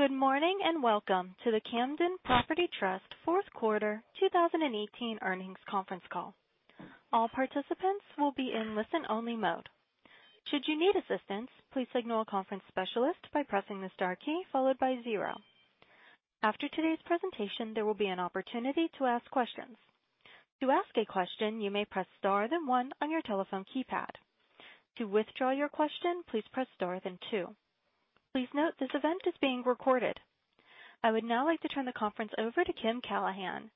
Good morning, welcome to the Camden Property Trust fourth quarter 2018 earnings conference call. All participants will be in listen-only mode. Should you need assistance, please signal a conference specialist by pressing the star key followed by zero. After today's presentation, there will be an opportunity to ask questions. To ask a question, you may press star, then one on your telephone keypad. To withdraw your question, please press star, then two. Please note this event is being recorded. I would now like to turn the conference over to Kim Callahan,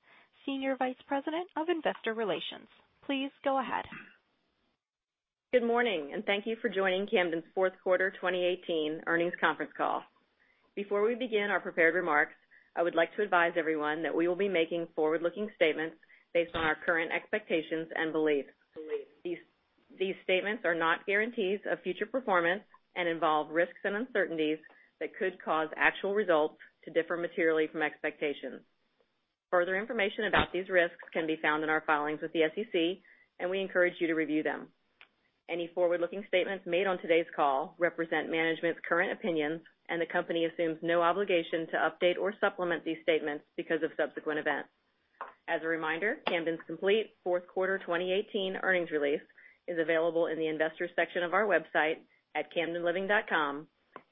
Senior Vice President of Investor Relations. Please go ahead. Good morning, thank you for joining Camden's fourth quarter 2018 earnings conference call. Before we begin our prepared remarks, I would like to advise everyone that we will be making forward-looking statements based on our current expectations and beliefs. These statements are not guarantees of future performance and involve risks and uncertainties that could cause actual results to differ materially from expectations. Further information about these risks can be found in our filings with the SEC, and we encourage you to review them. Any forward-looking statements made on today's call represent management's current opinions, and the company assumes no obligation to update or supplement these statements because of subsequent events. As a reminder, Camden's complete fourth quarter 2018 earnings release is available in the Investors section of our website at camdenliving.com,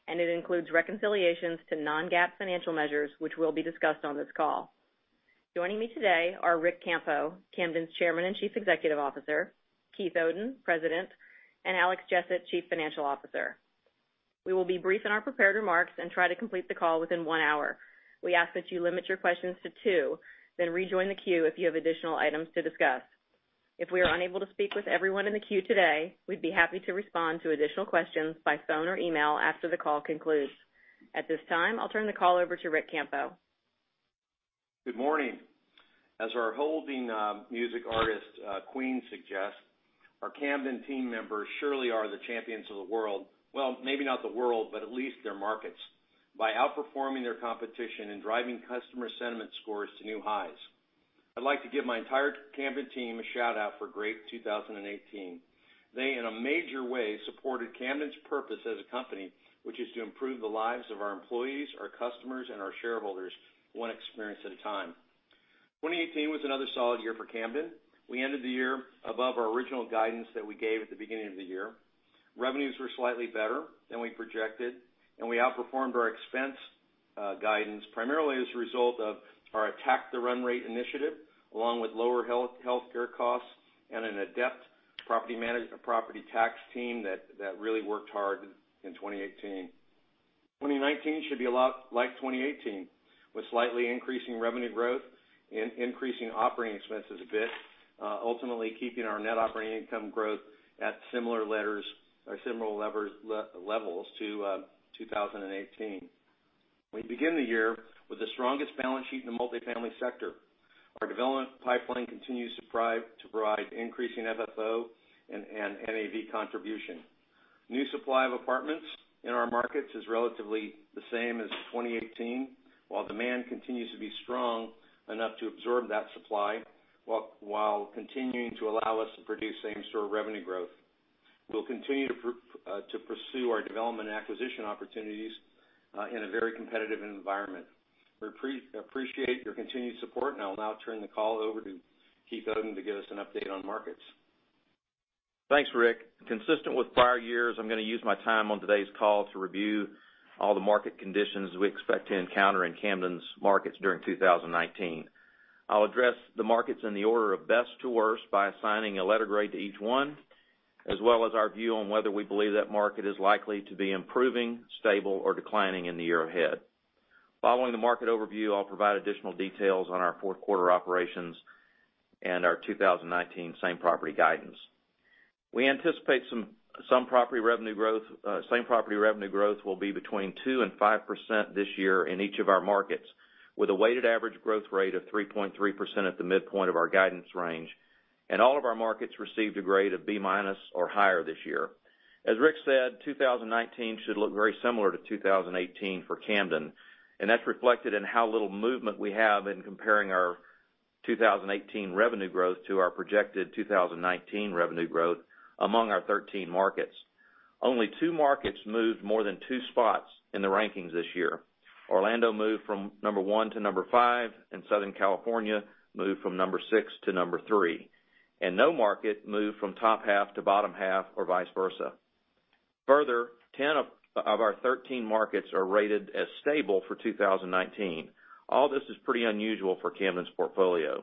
and it includes reconciliations to non-GAAP financial measures, which will be discussed on this call. Joining me today are Ric Campo, Camden's Chairman and Chief Executive Officer, Keith Oden, President, and Alex Jessett, Chief Financial Officer. We will be brief in our prepared remarks and try to complete the call within one hour. We ask that you limit your questions to two, rejoin the queue if you have additional items to discuss. If we are unable to speak with everyone in the queue today, we'd be happy to respond to additional questions by phone or email after the call concludes. At this time, I'll turn the call over to Ric Campo. Good morning. As our holding music artist, Queen suggests, our Camden team members surely are the champions of the world. Well, maybe not the world, but at least their markets, by outperforming their competition and driving customer sentiment scores to new highs. I'd like to give my entire Camden team a shout-out for a great 2018. They, in a major way, supported Camden's purpose as a company, which is to improve the lives of our employees, our customers, and our shareholders, one experience at a time. 2018 was another solid year for Camden. We ended the year above our original guidance that we gave at the beginning of the year. Revenues were slightly better than we projected, we outperformed our expense guidance, primarily as a result of our Attack the Run Rate initiative, along with lower healthcare costs and an adept property tax team that really worked hard in 2018. 2019 should be a lot like 2018, with slightly increasing revenue growth and increasing operating expenses a bit, ultimately keeping our net operating income growth at similar levels to 2018. We begin the year with the strongest balance sheet in the multifamily sector. Our development pipeline continues to provide increasing FFO and NAV contribution. New supply of apartments in our markets is relatively the same as 2018. While demand continues to be strong enough to absorb that supply, while continuing to allow us to produce same-store revenue growth. We'll continue to pursue our development and acquisition opportunities, in a very competitive environment. We appreciate your continued support, I will now turn the call over to Keith Oden to give us an update on markets. Thanks, Ric. Consistent with prior years, I'm going to use my time on today's call to review all the market conditions we expect to encounter in Camden's markets during 2019. I'll address the markets in the order of best to worst by assigning a letter grade to each one, as well as our view on whether we believe that market is likely to be improving, stable, or declining in the year ahead. Following the market overview, I'll provide additional details on our fourth-quarter operations and our 2019 same property guidance. We anticipate some same property revenue growth will be between 2% and 5% this year in each of our markets, with a weighted average growth rate of 3.3% at the midpoint of our guidance range, all of our markets received a grade of B-minus or higher this year. As Ric said, 2019 should look very similar to 2018 for Camden, that's reflected in how little movement we have in comparing our 2018 revenue growth to our projected 2019 revenue growth among our 13 markets. Only two markets moved more than two spots in the rankings this year. Orlando moved from number 1 to number 5, Southern California moved from number 6 to number 3, no market moved from top half to bottom half or vice versa. Further, 10 of our 13 markets are rated as stable for 2019. All this is pretty unusual for Camden's portfolio.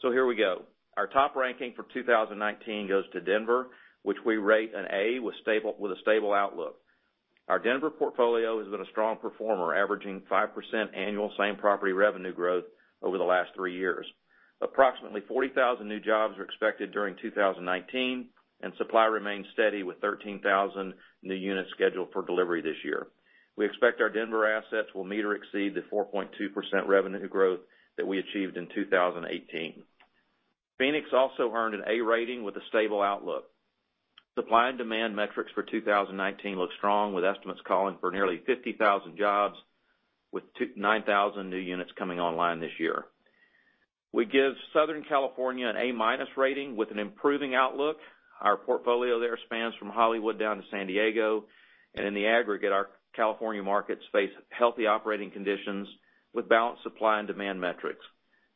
Here we go. Our top ranking for 2019 goes to Denver, which we rate an A with a stable outlook. Our Denver portfolio has been a strong performer, averaging 5% annual same property revenue growth over the last three years. Approximately 40,000 new jobs are expected during 2019, supply remains steady with 13,000 new units scheduled for delivery this year. We expect our Denver assets will meet or exceed the 4.2% revenue growth that we achieved in 2018. Phoenix also earned an A rating with a stable outlook. Supply and demand metrics for 2019 look strong, with estimates calling for nearly 50,000 jobs, with 9,000 new units coming online this year. We give Southern California an A- rating with an improving outlook. Our portfolio there spans from Hollywood down to San Diego. In the aggregate, our California markets face healthy operating conditions with balanced supply and demand metrics.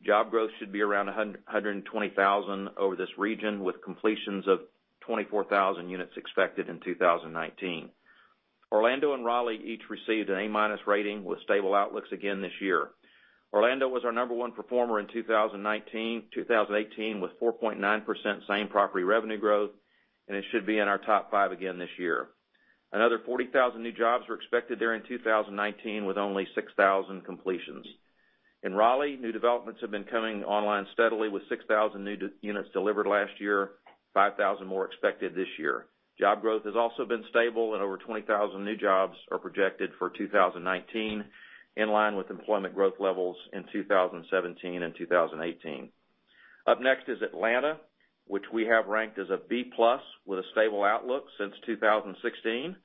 Job growth should be around 120,000 over this region, with completions of 24,000 units expected in 2019. Orlando and Raleigh each received an A-minus rating with stable outlooks again this year. Orlando was our number one performer in 2018, with 4.9% same property revenue growth, it should be in our top five again this year. Another 40,000 new jobs are expected there in 2019, with only 6,000 completions. In Raleigh, new developments have been coming online steadily with 6,000 new units delivered last year, 5,000 more expected this year. Job growth has also been stable, over 20,000 new jobs are projected for 2019, in line with employment growth levels in 2017 and 2018. Up next is Atlanta, which we have ranked as a B-plus with a stable outlook since 2016.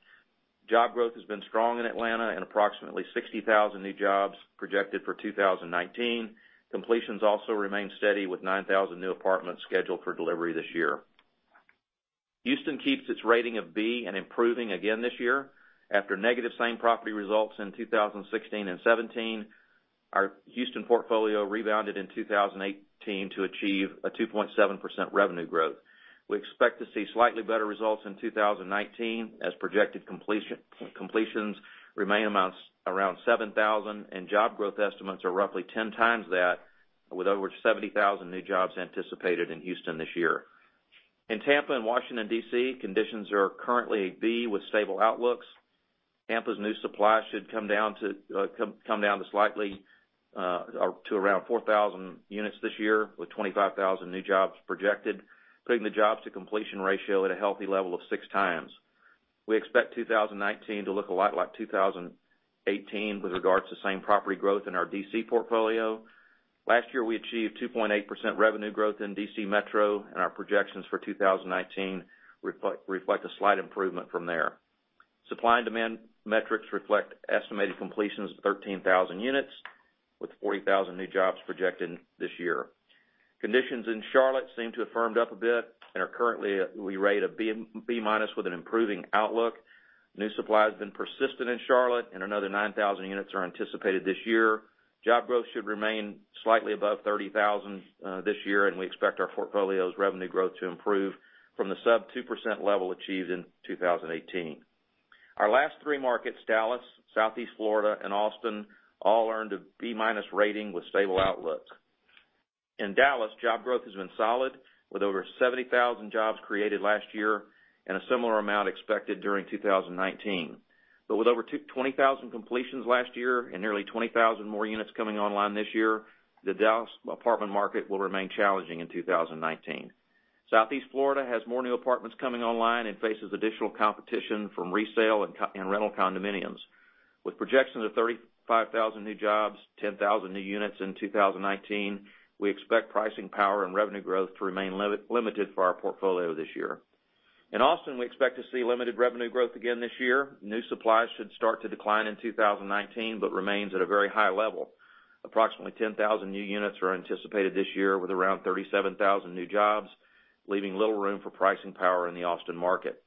Job growth has been strong in Atlanta approximately 60,000 new jobs projected for 2019. Completions also remain steady with 9,000 new apartments scheduled for delivery this year. Houston keeps its rating of B and improving again this year. After negative same property results in 2016 and 2017, our Houston portfolio rebounded in 2018 to achieve a 2.7% revenue growth. We expect to see slightly better results in 2019 as projected completions remain around 7,000, job growth estimates are roughly 10x that, with over 70,000 new jobs anticipated in Houston this year. In Tampa and Washington, D.C., conditions are currently a B with stable outlooks. Tampa's new supply should come down to around 4,000 units this year, with 25,000 new jobs projected, putting the jobs-to-completion ratio at a healthy level of 6x. We expect 2019 to look a lot like 2018 with regards to same property growth in our D.C. portfolio. Last year, we achieved 2.8% revenue growth in D.C. Metro, our projections for 2019 reflect a slight improvement from there. Supply and demand metrics reflect estimated completions of 13,000 units with 40,000 new jobs projected this year. Conditions in Charlotte seem to have firmed up a bit, currently, we rate a B-minus with an improving outlook. New supply has been persistent in Charlotte, another 9,000 units are anticipated this year. Job growth should remain slightly above 30,000 this year, we expect our portfolio's revenue growth to improve from the sub 2% level achieved in 2018. Our last three markets, Dallas, Southeast Florida, Austin, all earned a B-minus rating with stable outlooks. In Dallas, job growth has been solid, with over 70,000 jobs created last year a similar amount expected during 2019. With over 20,000 completions last year and nearly 20,000 more units coming online this year, the Dallas apartment market will remain challenging in 2019. Southeast Florida has more new apartments coming online and faces additional competition from resale and rental condominiums. With projections of 35,000 new jobs, 10,000 new units in 2019, we expect pricing power and revenue growth to remain limited for our portfolio this year. In Austin, we expect to see limited revenue growth again this year. New supply should start to decline in 2019, but remains at a very high level. Approximately 10,000 new units are anticipated this year with around 37,000 new jobs, leaving little room for pricing power in the Austin market.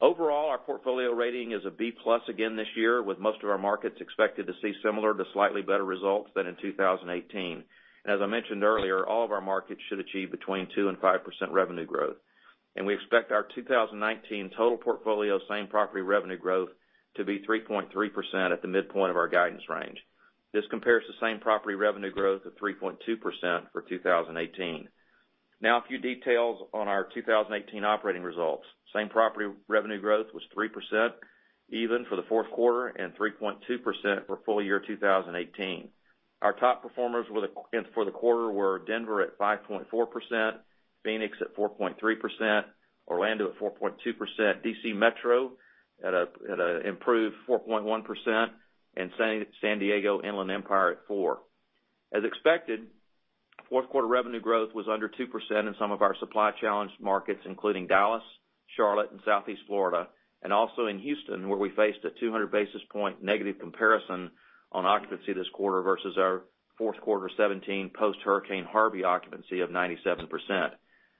Overall, our portfolio rating is a B-plus again this year, with most of our markets expected to see similar to slightly better results than in 2018. As I mentioned earlier, all of our markets should achieve between 2% and 5% revenue growth. We expect our 2019 total portfolio same property revenue growth to be 3.3% at the midpoint of our guidance range. This compares to same property revenue growth of 3.2% for 2018. Now a few details on our 2018 operating results. Same property revenue growth was 3% even for the fourth quarter and 3.2% for full year 2018. Our top performers for the quarter were Denver at 5.4%, Phoenix at 4.3%, Orlando at 4.2%, D.C. Metro at an improved 4.1%, and San Diego Inland Empire at 4%. As expected, fourth quarter revenue growth was under 2% in some of our supply-challenged markets, including Dallas, Charlotte, and Southeast Florida, and also in Houston, where we faced a 200-basis-point negative comparison on occupancy this quarter versus our fourth quarter 2017 post-Hurricane Harvey occupancy of 97%.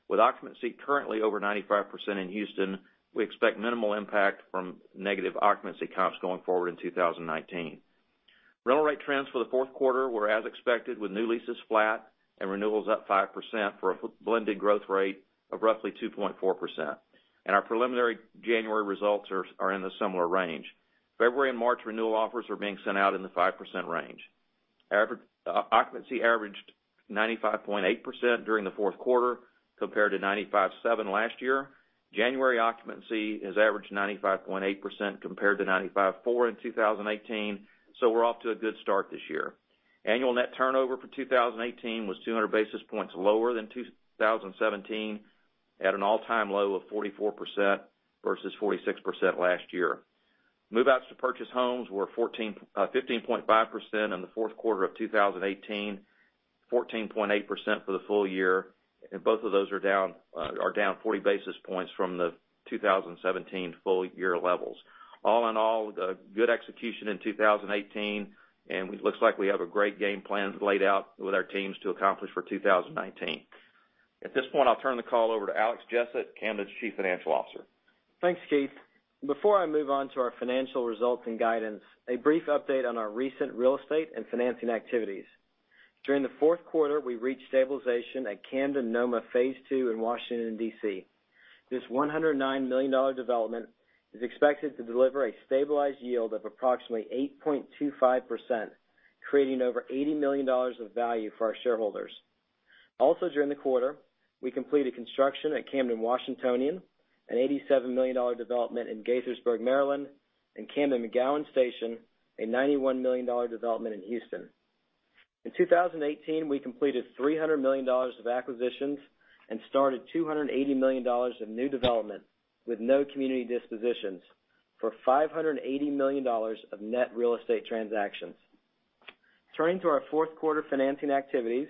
With occupancy currently over 95% in Houston, we expect minimal impact from negative occupancy comps going forward in 2019. Rental rate trends for the fourth quarter were as expected, with new leases flat and renewals up 5% for a blended growth rate of roughly 2.4%. Our preliminary January results are in a similar range. February and March renewal offers are being sent out in the 5% range. Occupancy averaged 95.8% during the fourth quarter, compared to 95.7% last year. January occupancy has averaged 95.8% compared to 95.4% in 2018, we're off to a good start this year. Annual net turnover for 2018 was 200 basis points lower than 2017, at an all-time low of 44% versus 46% last year. Move-outs to purchase homes were 15.5% in the fourth quarter of 2018, 14.8% for the full year. Both of those are down 40 basis points from the 2017 full year levels. All in all, good execution in 2018, it looks like we have a great game plan laid out with our teams to accomplish for 2019. At this point, I'll turn the call over to Alex Jessett, Camden's Chief Financial Officer. Thanks, Keith. Before I move on to our financial results and guidance, a brief update on our recent real estate and financing activities. During the fourth quarter, we reached stabilization at Camden NoMa Phase II in Washington, D.C. This $109 million development is expected to deliver a stabilized yield of approximately 8.25%, creating over $80 million of value for our shareholders. Also during the quarter, we completed construction at Camden Washingtonian, an $87 million development in Gaithersburg, Maryland, and Camden McGowen Station, a $91 million development in Houston. In 2018, we completed $300 million of acquisitions and started $280 million of new development with no community dispositions for $580 million of net real estate transactions. Turning to our fourth quarter financing activities,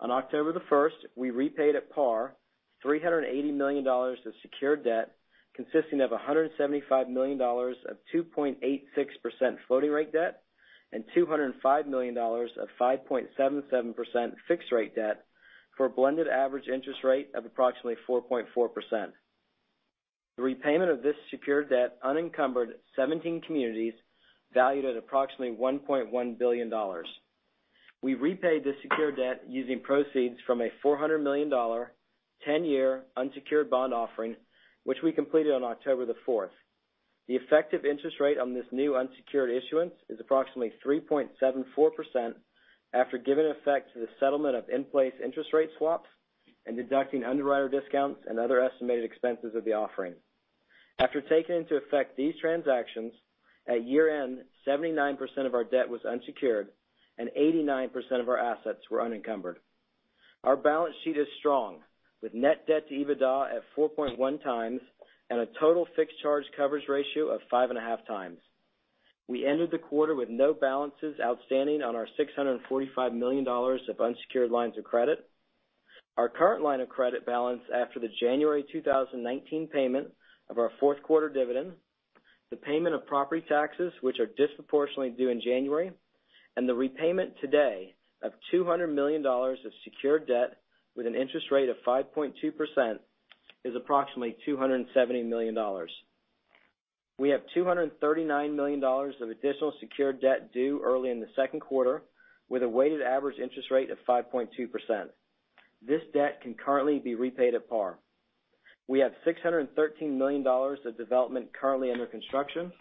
on October the first, we repaid at par $380 million of secured debt, consisting of $175 million of 2.86% floating rate debt and $205 million of 5.77% fixed rate debt for a blended average interest rate of approximately 4.4%. The repayment of this secured debt unencumbered 17 communities valued at approximately $1.1 billion. We repaid this secured debt using proceeds from a $400 million, 10-year unsecured bond offering, which we completed on October the fourth. The effective interest rate on this new unsecured issuance is approximately 3.74% after giving effect to the settlement of in-place interest rate swaps and deducting underwriter discounts and other estimated expenses of the offering. After taking into effect these transactions, at year-end, 79% of our debt was unsecured, and 89% of our assets were unencumbered. Our balance sheet is strong, with net debt to EBITDA at 4.1x and a total fixed charge coverage ratio of 5.5x. We ended the quarter with no balances outstanding on our $645 million of unsecured lines of credit. Our current line of credit balance after the January 2019 payment of our fourth quarter dividend, the payment of property taxes, which are disproportionately due in January, and the repayment today of $200 million of secured debt with an interest rate of 5.2%, is approximately $270 million. We have $239 million of additional secured debt due early in the second quarter with a weighted average interest rate of 5.2%. This debt can currently be repaid at par. We have $613 million of development currently under construction,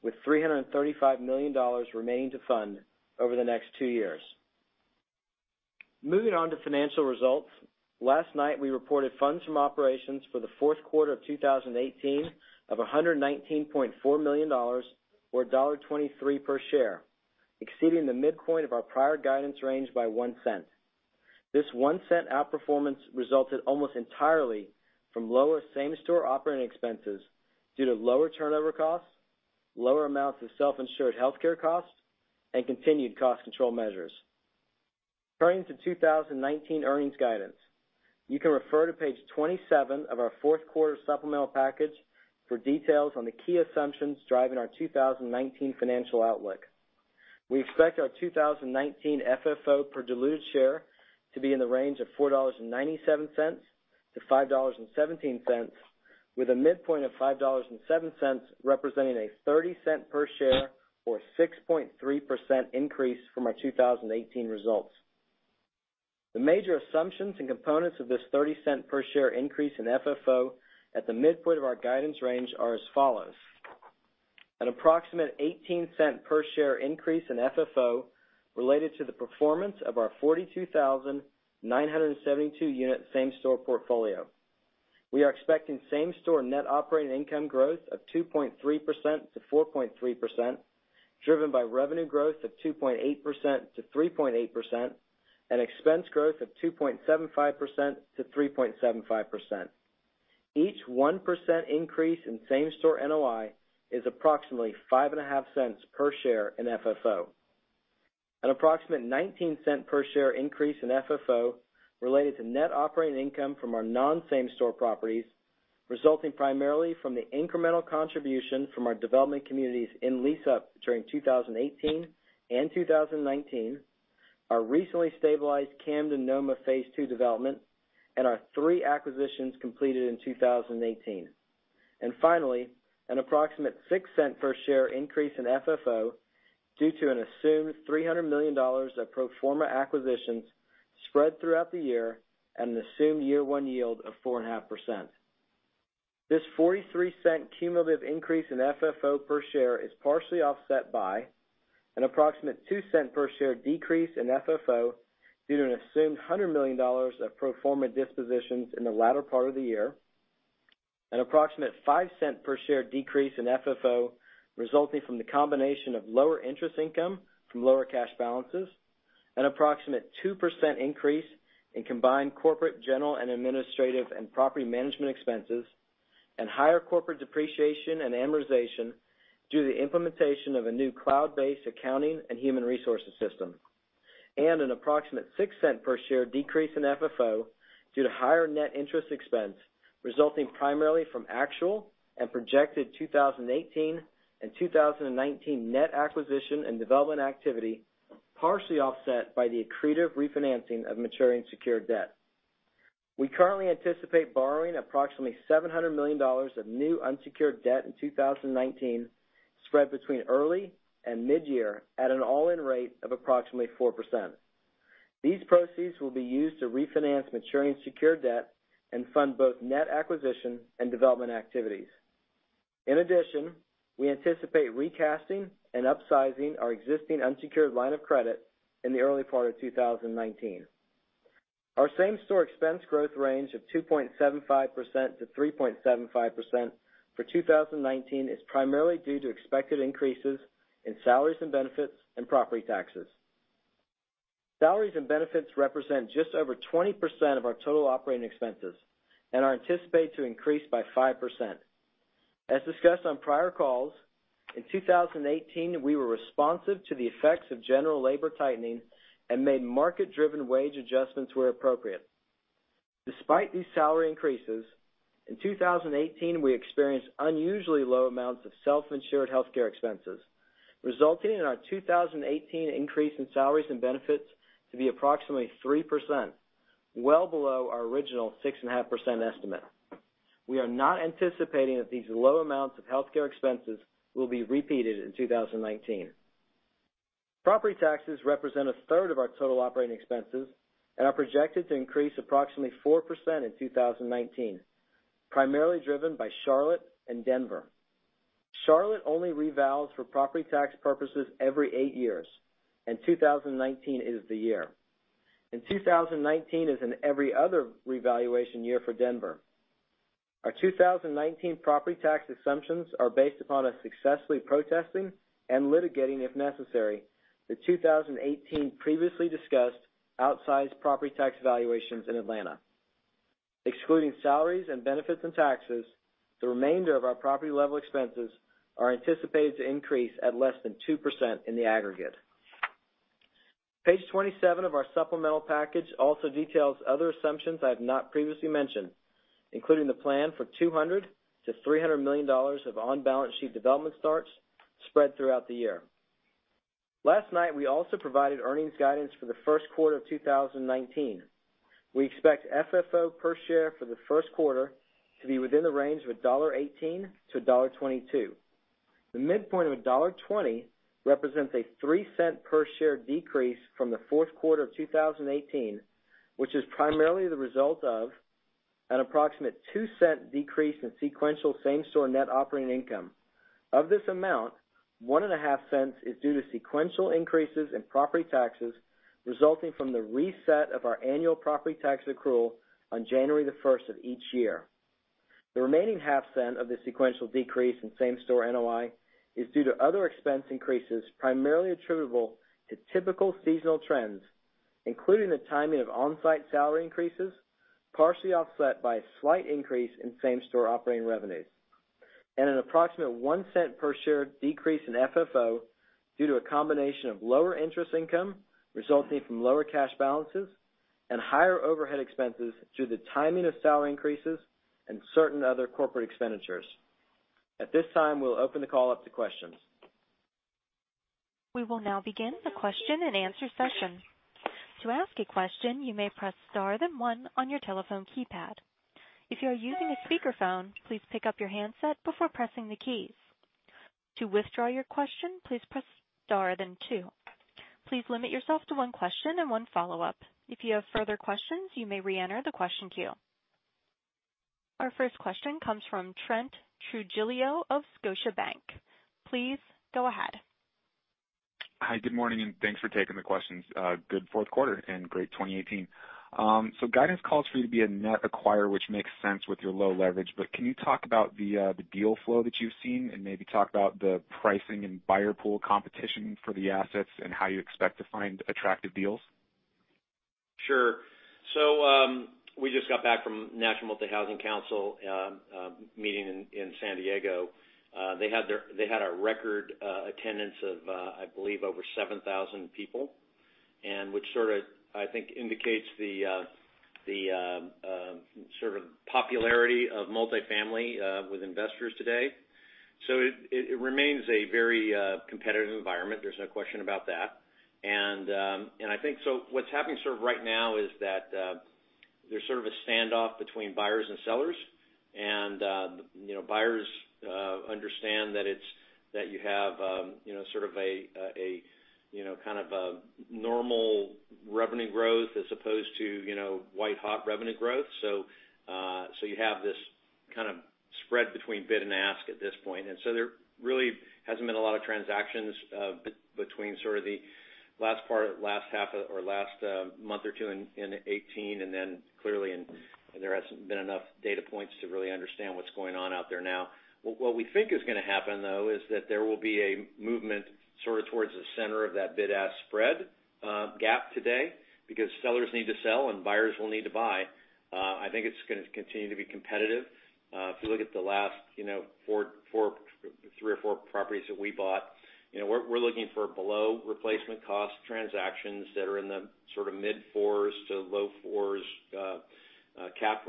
with $335 million remaining to fund over the next two years. Moving on to financial results. Last night, we reported funds from operations for the fourth quarter of 2018 of $119.4 million, or $1.23 per share, exceeding the midpoint of our prior guidance range by $0.01. This $0.01 outperformance resulted almost entirely from lower same-store operating expenses due to lower turnover costs, lower amounts of self-insured healthcare costs, and continued cost control measures. Turning to 2019 earnings guidance. You can refer to page 27 of our fourth quarter supplemental package for details on the key assumptions driving our 2019 financial outlook. We expect our 2019 FFO per diluted share to be in the range of $4.97-$5.17, with a midpoint of $5.07, representing a $0.30 per share or 6.3% increase from our 2018 results. The major assumptions and components of this $0.30 per share increase in FFO at the midpoint of our guidance range are as follows. An approximate $0.18 per share increase in FFO related to the performance of our 42,972 unit same-store portfolio. We are expecting same-store net operating income growth of 2.3%-4.3%, driven by revenue growth of 2.8%-3.8% and expense growth of 2.75%-3.75%. Each 1% increase in same-store NOI is approximately $0.055 per share in FFO. An approximate $0.19 per share increase in FFO related to net operating income from our non-same store properties, resulting primarily from the incremental contribution from our development communities in lease-up during 2018 and 2019, our recently stabilized Camden NoMa Phase II development, and our three acquisitions completed in 2018. Finally, an approximate $0.06 per share increase in FFO due to an assumed $300 million of pro forma acquisitions spread throughout the year and an assumed year one yield of 4.5%. This $0.43 cumulative increase in FFO per share is partially offset by an approximate $0.02 per share decrease in FFO due to an assumed $100 million of pro forma dispositions in the latter part of the year, an approximate $0.05 per share decrease in FFO resulting from the combination of lower interest income from lower cash balances, an approximate 2% increase in combined corporate, general and administrative, and property management expenses. Higher corporate depreciation and amortization due to the implementation of a new cloud-based accounting and human resources system, and an approximate $0.06 per share decrease in FFO due to higher net interest expense, resulting primarily from actual and projected 2018 and 2019 net acquisition and development activity, partially offset by the accretive refinancing of maturing secured debt. We currently anticipate borrowing approximately $700 million of new unsecured debt in 2019, spread between early and mid-year at an all-in rate of approximately 4%. These proceeds will be used to refinance maturing secured debt and fund both net acquisition and development activities. In addition, we anticipate recasting and upsizing our existing unsecured line of credit in the early part of 2019. Our same-store expense growth range of 2.75%-3.75% for 2019 is primarily due to expected increases in salaries and benefits and property taxes. Salaries and benefits represent just over 20% of our total operating expenses and are anticipated to increase by 5%. As discussed on prior calls, in 2018, we were responsive to the effects of general labor tightening and made market-driven wage adjustments where appropriate. Despite these salary increases, in 2018, we experienced unusually low amounts of self-insured healthcare expenses, resulting in our 2018 increase in salaries and benefits to be approximately 3%, well below our original 6.5% estimate. We are not anticipating that these low amounts of healthcare expenses will be repeated in 2019. Property taxes represent a third of our total operating expenses and are projected to increase approximately 4% in 2019, primarily driven by Charlotte and Denver. Charlotte only revals for property tax purposes every eight years, and 2019 is the year. 2019 is an every other revaluation year for Denver. Our 2019 property tax assumptions are based upon us successfully protesting and litigating, if necessary, the 2018 previously discussed outsized property tax valuations in Atlanta. Excluding salaries and benefits and taxes, the remainder of our property-level expenses are anticipated to increase at less than 2% in the aggregate. Page 27 of our supplemental package also details other assumptions I've not previously mentioned, including the plan for $200 million-$300 million of on-balance-sheet development starts spread throughout the year. Last night, we also provided earnings guidance for the first quarter of 2019. We expect FFO per share for the first quarter to be within the range of $1.18-$1.22. The midpoint of $1.20 represents a $0.03 per share decrease from the fourth quarter of 2018, which is primarily the result of an approximate $0.02 decrease in sequential same-store net operating income. Of this amount, $0.015 is due to sequential increases in property taxes resulting from the reset of our annual property tax accrual on January the 1st of each year. The remaining half cent of the sequential decrease in same-store NOI is due to other expense increases primarily attributable to typical seasonal trends, including the timing of on-site salary increases, partially offset by a slight increase in same-store operating revenues and an approximate $0.01 per share decrease in FFO due to a combination of lower interest income resulting from lower cash balances and higher overhead expenses due to the timing of salary increases and certain other corporate expenditures. At this time, we'll open the call up to questions. We will now begin the question and answer session. To ask a question, you may press star then one on your telephone keypad. If you are using a speakerphone, please pick up your handset before pressing the keys. To withdraw your question, please press star then two. Please limit yourself to one question and one follow-up. If you have further questions, you may reenter the question queue. Our first question comes from Trent Trujillo of Scotiabank. Please go ahead. Hi. Good morning, thanks for taking the questions. Good fourth quarter and great 2018. Guidance calls for you to be a net acquirer, which makes sense with your low leverage. Can you talk about the deal flow that you've seen and maybe talk about the pricing and buyer pool competition for the assets and how you expect to find attractive deals? Sure. We just got back from National Multifamily Housing Council meeting in San Diego. They had a record attendance of, I believe, over 7,000 people, which sort of, I think, indicates the sort of popularity of multifamily with investors today. It remains a very competitive environment. There's no question about that. I think what's happening sort of right now is that there's sort of a standoff between buyers and sellers. Buyers understand that you have sort of a kind of a normal revenue growth as opposed to white-hot revenue growth. You have this kind of spread between bid and ask at this point. There really hasn't been a lot of transactions between sort of the last part, last half of, or last month or two in 2018. Clearly, there hasn't been enough data points to really understand what's going on out there now. What we think is going to happen, though, is that there will be a movement sort of towards the center of that bid-ask spread gap today because sellers need to sell and buyers will need to buy. I think it's going to continue to be competitive. If you look at the last three or four properties that we bought, we're looking for below replacement cost transactions that are in the mid-fours to low fours cap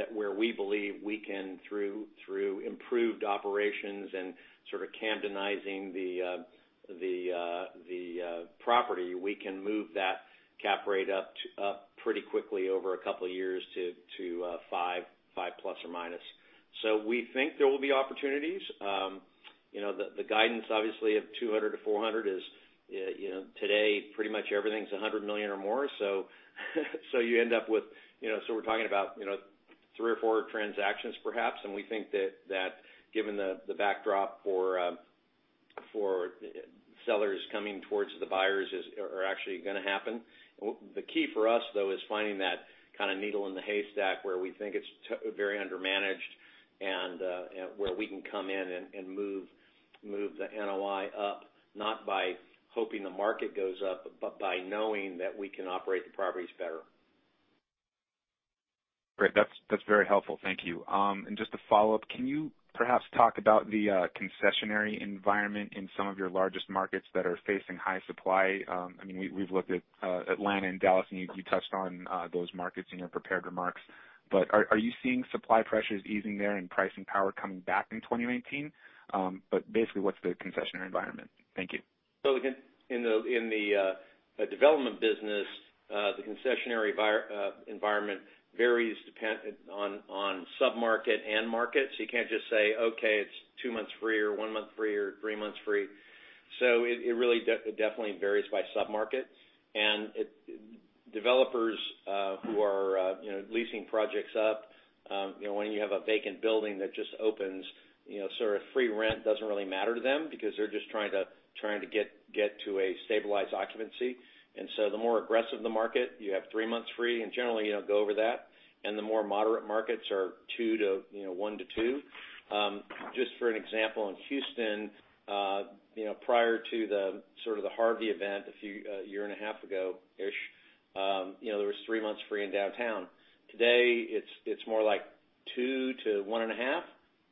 rate, where we believe we can, through improved operations and sort of Camdenizing the property, we can move that cap rate up pretty quickly over a couple of years to 5±. We think there will be opportunities. The guidance obviously of $200 million-$400 million is, today pretty much everything's $100 million or more. We're talking about three or four transactions perhaps, and we think that given the backdrop for sellers coming towards the buyers, are actually going to happen. The key for us, though, is finding that kind of needle in the haystack where we think it's very under-managed and where we can come in and move the NOI up, not by hoping the market goes up, but by knowing that we can operate the properties better. Great. That's very helpful. Thank you. Just a follow-up, can you perhaps talk about the concessionary environment in some of your largest markets that are facing high supply? We've looked at Atlanta and Dallas, and you touched on those markets in your prepared remarks. Are you seeing supply pressures easing there and pricing power coming back in 2019? Basically, what's the concessionary environment? Thank you. Again, in the development business, the concessionary environment varies depending on sub-market and market. You can't just say, okay, it's two months free or one month free or three months free. It really definitely varies by sub-market. Developers who are leasing projects up, when you have a vacant building that just opens, sort of free rent doesn't really matter to them because they're just trying to get to a stabilized occupancy. The more aggressive the market, you have three months free, and generally, you don't go over that. The more moderate markets are one to two. Just for an example, in Houston, prior to the sort of the Harvey event 1.5 year ago-ish, there was three months free in downtown. Today, it's more like 2 to 1.5,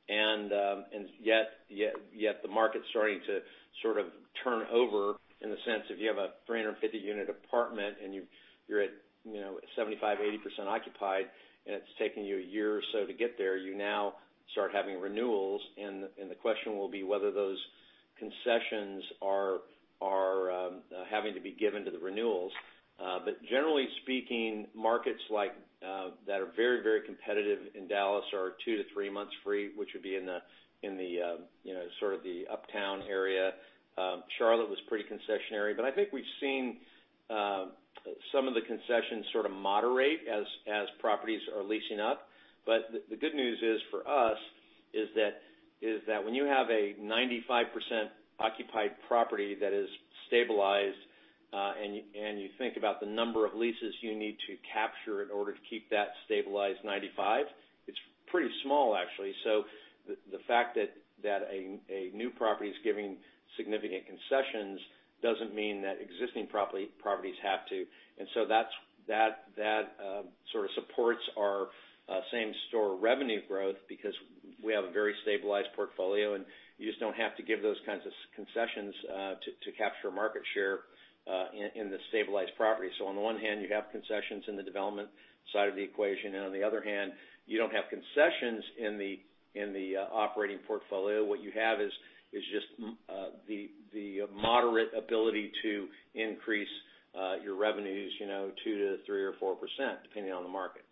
and yet the market's starting to sort of turn over in the sense if you have a 350-unit apartment and you're at 75%-80% occupied, and it's taken you a year or so to get there, you now start having renewals, and the question will be whether those concessions are having to be given to the renewals. Generally speaking, markets that are very competitive in Dallas are two to three months free, which would be in the sort of the uptown area. Charlotte was pretty concessionary. I think we've seen some of the concessions sort of moderate as properties are leasing up. The good news is for us, is that when you have a 95% occupied property that is stabilized, and you think about the number of leases you need to capture in order to keep that stabilized 95, it's pretty small, actually. The fact that a new property is giving significant concessions doesn't mean that existing properties have to. That sort of supports our same-store revenue growth because we have a very stabilized portfolio, and you just don't have to give those kinds of concessions to capture market share in the stabilized property. On the one hand, you have concessions in the development side of the equation, and on the other hand, you don't have concessions in the operating portfolio. What you have is just the moderate ability to increase your revenues 2%-3% or 4%, depending on the market.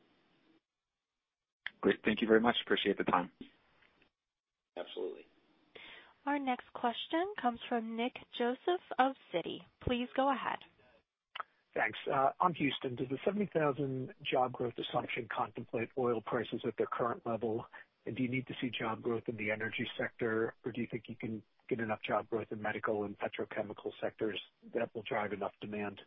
Great. Thank you very much. Appreciate the time. Absolutely. Our next question comes from Nick Joseph of Citi. Please go ahead. Thanks. On Houston, does the 70,000 job growth assumption contemplate oil prices at their current level? Do you need to see job growth in the energy sector, or do you think you can get enough job growth in medical and petrochemical sectors that will drive enough demand?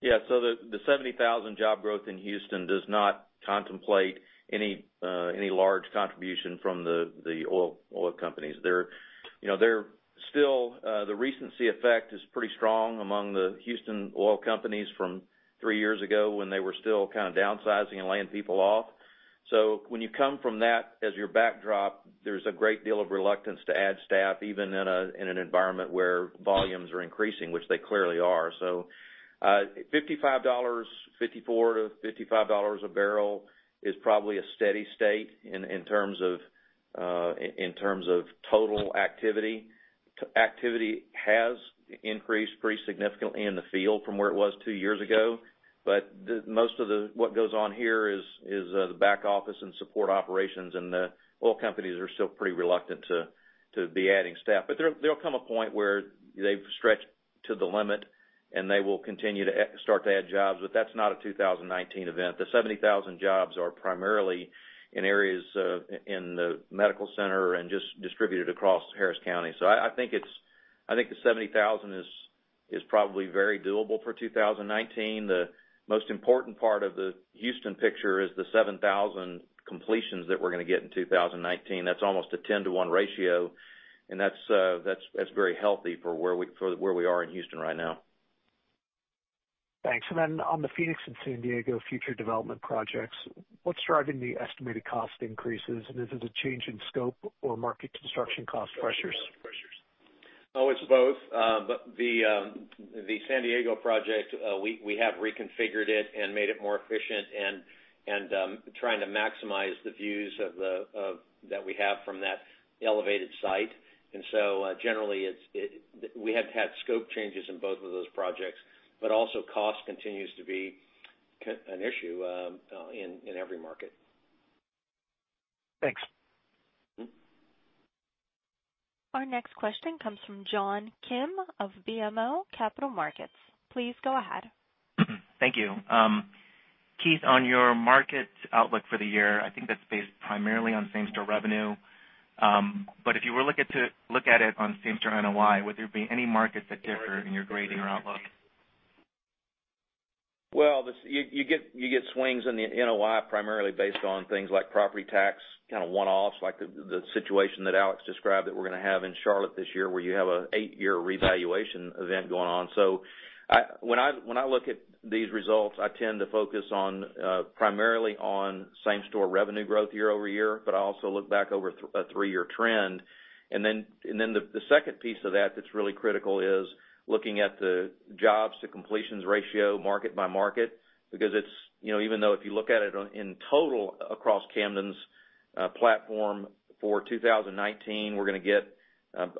Yeah. The 70,000 job growth in Houston does not contemplate any large contribution from the oil companies. The recency effect is pretty strong among the Houston oil companies from three years ago when they were still kind of downsizing and laying people off. When you come from that as your backdrop, there's a great deal of reluctance to add staff, even in an environment where volumes are increasing, which they clearly are. $54-$55 a barrel is probably a steady state in terms of total activity. Activity has increased pretty significantly in the field from where it was two years ago. Most of what goes on here is the back office and support operations, and the oil companies are still pretty reluctant to be adding staff. There'll come a point where they've stretched to the limit, and they will continue to start to add jobs. That's not a 2019 event. The 70,000 jobs are primarily in areas in the medical center and just distributed across Harris County. I think the 70,000 is probably very doable for 2019. The most important part of the Houston picture is the 7,000 completions that we're going to get in 2019. That's almost a 10 to 1 ratio, and that's very healthy for where we are in Houston right now. Thanks. On the Phoenix and San Diego future development projects, what's driving the estimated cost increases? Is it a change in scope or market construction cost pressures? It's both. The San Diego project, we have reconfigured it and made it more efficient and trying to maximize the views that we have from that elevated site. Generally, we have had scope changes in both of those projects, but also cost continues to be an issue in every market. Thanks. Our next question comes from John Kim of BMO Capital Markets. Please go ahead. Thank you. Keith, on your market outlook for the year, I think that is based primarily on same-store revenue. If you were to look at it on same-store NOI, would there be any markets that differ in your grading or outlook? Well, you get swings in the NOI primarily based on things like property tax, kind of one-offs, like the situation that Alex described that we are going to have in Charlotte this year, where you have an eight-year revaluation event going on. When I look at these results, I tend to focus primarily on same-store revenue growth year-over-year, but I also look back over a three-year trend. The second piece of that is really critical is looking at the jobs to completions ratio market by market, because even though if you look at it in total across Camden's platform for 2019,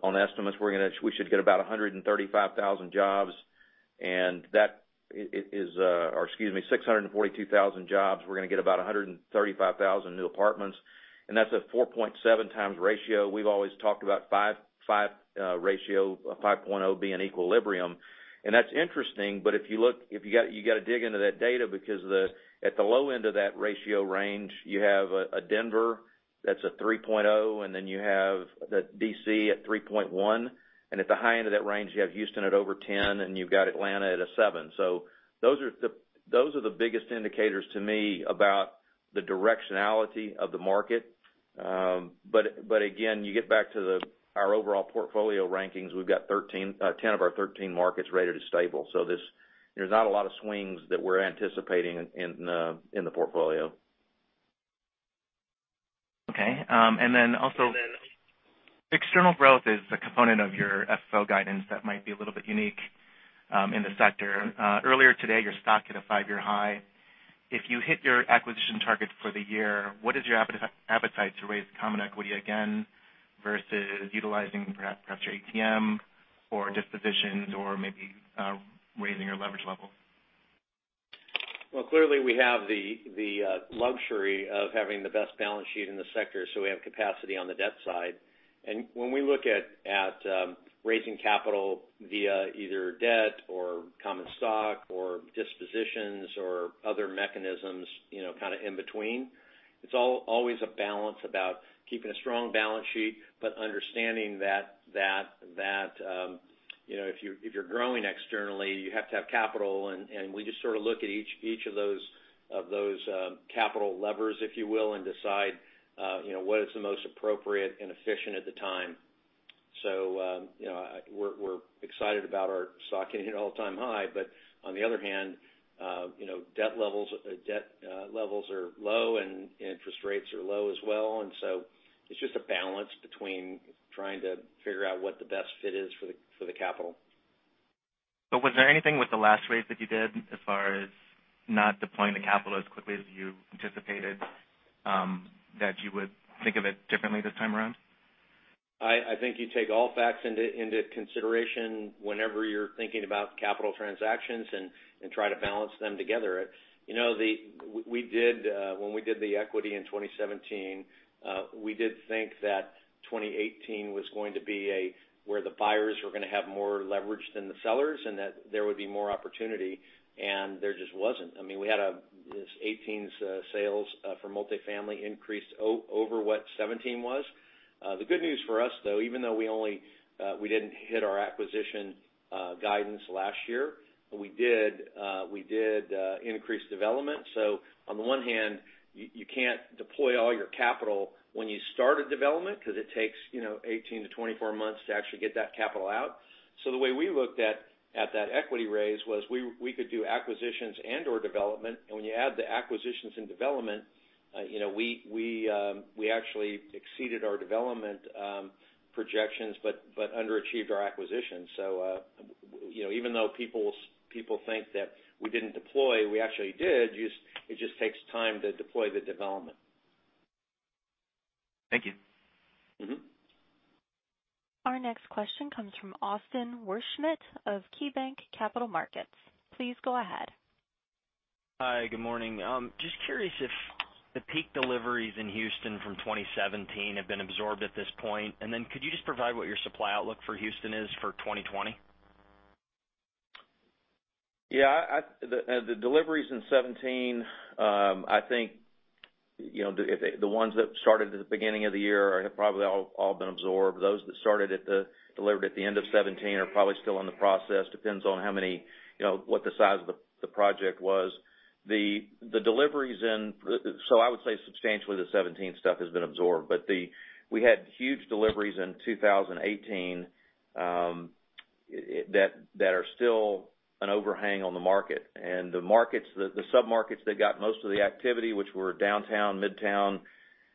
on estimates, we should get about 642,000 jobs. We are going to get about 135,000 new apartments. That is a 4.7x ratio. We have always talked about 5.0 ratio being equilibrium. That is interesting, but you got to dig into that data because at the low end of that ratio range, you have Denver that is a 3.0, then you have D.C. at 3.1. At the high end of that range, you have Houston at over 10, and you have got Atlanta at a seven. Those are the biggest indicators to me about the directionality of the market. But again, you get back to our overall portfolio rankings. We have got 10 of our 13 markets rated as stable. There is not a lot of swings that we are anticipating in the portfolio. Okay. Also, external growth is a component of your FFO guidance that might be a little bit unique in the sector. Earlier today, your stock hit a five-year high. If you hit your acquisition targets for the year, what is your appetite to raise common equity again, versus utilizing perhaps your ATM or dispositions or maybe raising your leverage level? Clearly, we have the luxury of having the best balance sheet in the sector, so we have capacity on the debt side. When we look at raising capital via either debt or common stock or dispositions or other mechanisms kind of in between, it's always a balance about keeping a strong balance sheet, but understanding that if you're growing externally, you have to have capital. We just sort of look at each of those capital levers, if you will, and decide what is the most appropriate and efficient at the time. We're excited about our stock hitting an all-time high. On the other hand, debt levels are low, and interest rates are low as well. It's just a balance between trying to figure out what the best fit is for the capital. Was there anything with the last raise that you did as far as not deploying the capital as quickly as you anticipated, that you would think of it differently this time around? I think you take all facts into consideration whenever you're thinking about capital transactions and try to balance them together. When we did the equity in 2017, we did think that 2018 was going to be where the buyers were going to have more leverage than the sellers, and that there would be more opportunity. There just wasn't. We had 2018's sales for multifamily increased over what 2017 was. The good news for us, though, even though we didn't hit our acquisition guidance last year, we did increase development. On the one hand, you can't deploy all your capital when you start a development because it takes 18 to 24 months to actually get that capital out. The way we looked at that equity raise was we could do acquisitions and/or development. When you add the acquisitions and development, we actually exceeded our development projections but underachieved our acquisitions. Even though people think that we didn't deploy, we actually did. It just takes time to deploy the development. Thank you. Our next question comes from Austin Wurschmidt of KeyBanc Capital Markets. Please go ahead. Hi. Good morning. Just curious if the peak deliveries in Houston from 2017 have been absorbed at this point. Could you just provide what your supply outlook for Houston is for 2020? Yeah. The deliveries in 2017, I think, the ones that started at the beginning of the year have probably all been absorbed. Those that started delivered at the end of 2017 are probably still in the process. Depends on what the size of the project was. I would say substantially the 2017 stuff has been absorbed. We had huge deliveries in 2018, that are still an overhang on the market, and the sub-markets that got most of the activity, which were downtown, midtown,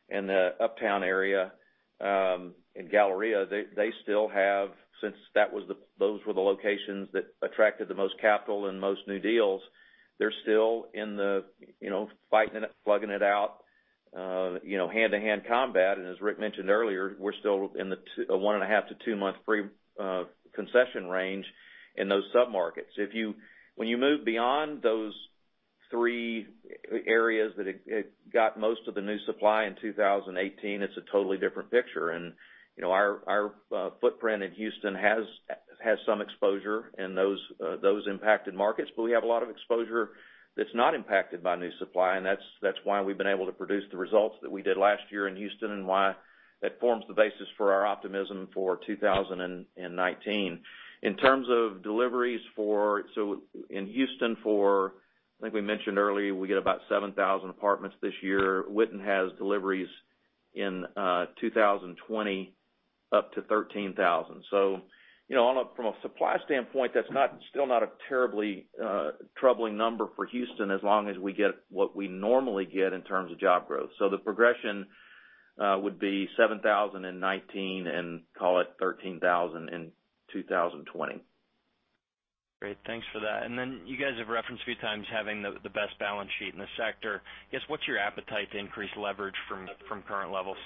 and the uptown area, and Galleria, they still have, since those were the locations that attracted the most capital and most new deals, they're still in the fighting it, slugging it out, hand-to-hand combat. As Ric mentioned earlier, we're still in the one and a half to two-month free concession range in those sub-markets. When you move beyond those three areas that got most of the new supply in 2018, it's a totally different picture. Our footprint in Houston has some exposure in those impacted markets. We have a lot of exposure that's not impacted by new supply, and that's why we've been able to produce the results that we did last year in Houston, and why that forms the basis for our optimism for 2019. In terms of deliveries in Houston, I think we mentioned earlier, we get about 7,000 apartments this year. Witten has deliveries in 2020 up to 13,000. From a supply standpoint, that's still not a terribly troubling number for Houston as long as we get what we normally get in terms of job growth. The progression would be 7,000 in 2019, and call it 13,000 in 2020. Great. Thanks for that. You guys have referenced a few times having the best balance sheet in the sector. I guess, what's your appetite to increase leverage from current levels?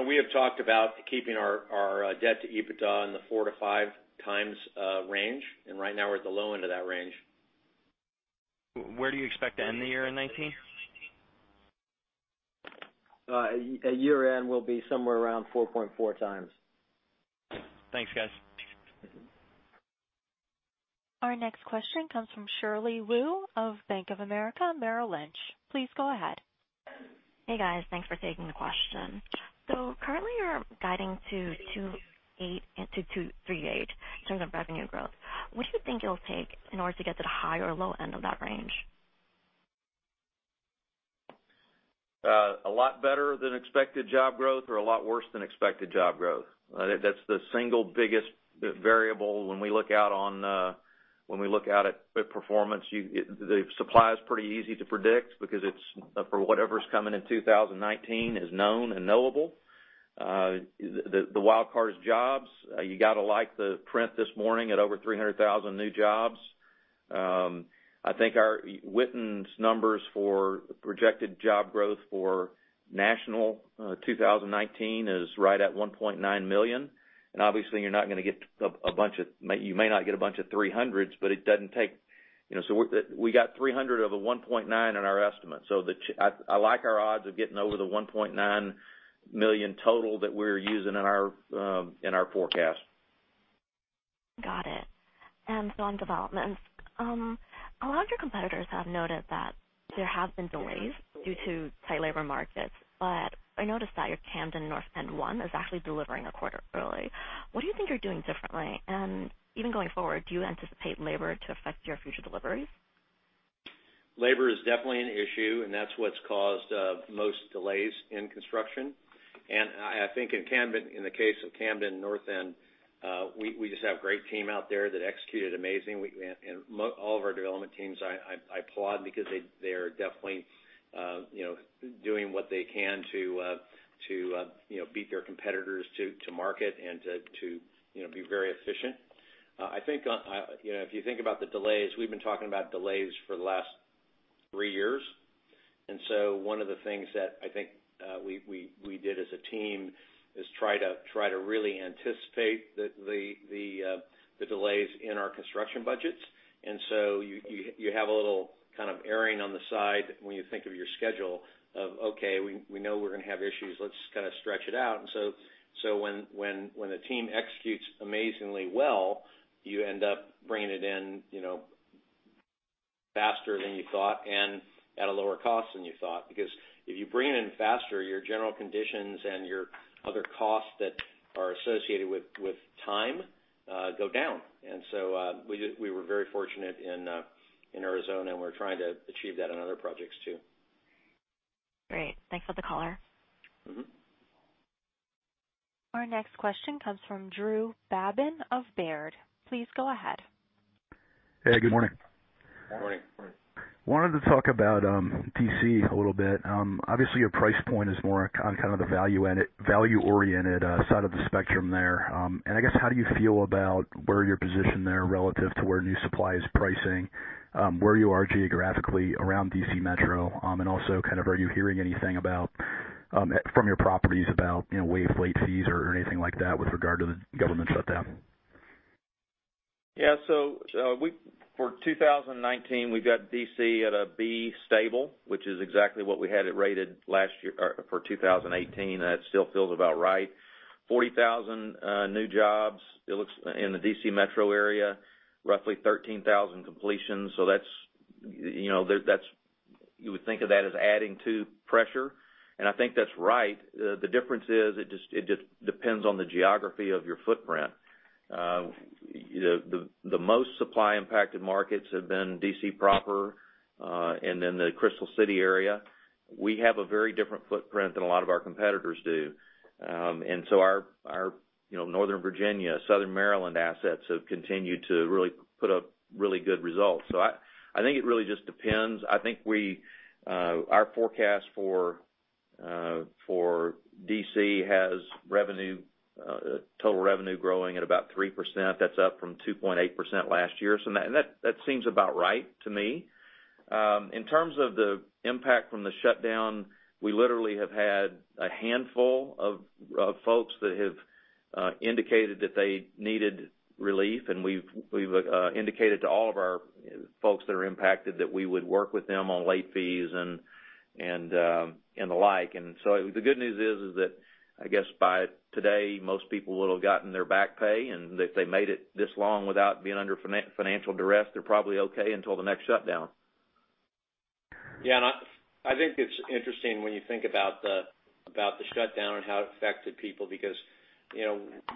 We have talked about keeping our debt to EBITDA in the four to 5x range. Right now, we're at the low end of that range. Where do you expect to end the year in 2019? At year-end, we'll be somewhere around 4.4x. Thanks, guys. Our next question comes from Shirley Wu of Bank of America Merrill Lynch. Please go ahead. Hey, guys. Thanks for taking the question. Currently, you're guiding to 28%-38% in terms of revenue growth. What do you think it'll take in order to get to the high or low end of that range? A lot better than expected job growth or a lot worse than expected job growth. That's the single biggest variable when we look out at performance. The supply is pretty easy to predict because whatever's coming in 2019 is known and knowable. The wild card is jobs. You got to like the print this morning at over 300,000 new jobs. I think Witten's numbers for projected job growth for national 2019 is right at 1.9 million. Obviously, you may not get a bunch of 300s, but we got 300 of a 1.9 in our estimate. I like our odds of getting over the 1.9 million total that we're using in our forecast. Got it. On developments, a lot of your competitors have noted that there have been delays due to tight labor markets, but I noticed that your Camden North End One is actually delivering a quarter early. What do you think you're doing differently? Even going forward, do you anticipate labor to affect your future deliveries? Labor is definitely an issue, and that's what's caused most delays in construction. I think in the case of Camden North End, we just have great team out there that executed amazing. All of our development teams, I applaud because they're definitely doing what they can to beat their competitors to market and to be very efficient. If you think about the delays, we've been talking about delays for the last three years. One of the things that I think we did as a team is try to really anticipate the delays in our construction budgets. You have a little kind of erring on the side when you think of your schedule of, okay, we know we're going to have issues. Let's kind of stretch it out. When the team executes amazingly well, you end up bringing it in faster than you thought and at a lower cost than you thought. Because if you bring it in faster, your general conditions and your other costs that are associated with time, go down. We were very fortunate in Arizona, and we're trying to achieve that in other projects too. Great. Thanks for the color. Our next question comes from Drew Babin of Baird. Please go ahead. Hey, good morning. Morning. Wanted to talk about D.C. a little bit. Obviously, your price point is more on kind of the value-oriented side of the spectrum there. I guess, how do you feel about where your position there relative to where new supply is pricing, where you are geographically around D.C. Metro? Also kind of, are you hearing anything from your properties about waive late fees or anything like that with regard to the government shutdown? For 2019, we've got D.C. at a B stable, which is exactly what we had it rated for 2018. That still feels about right. 40,000 new jobs in the D.C. Metro area, roughly 13,000 completions. You would think of that as adding to pressure, and I think that's right. The difference is, it just depends on the geography of your footprint. The most supply-impacted markets have been D.C. proper, and then the Crystal City area. We have a very different footprint than a lot of our competitors do. Our Northern Virginia, Southern Maryland assets have continued to really put up really good results. I think it really just depends. I think our forecast for D.C. has total revenue growing at about 3%. That's up from 2.8% last year. That seems about right to me. In terms of the impact from the shutdown, we literally have had a handful of folks that have indicated that they needed relief, and we've indicated to all of our folks that are impacted that we would work with them on late fees and the like. The good news is that, I guess, by today, most people will have gotten their back pay, and if they made it this long without being under financial duress, they're probably okay until the next shutdown. I think it's interesting when you think about the shutdown and how it affected people, because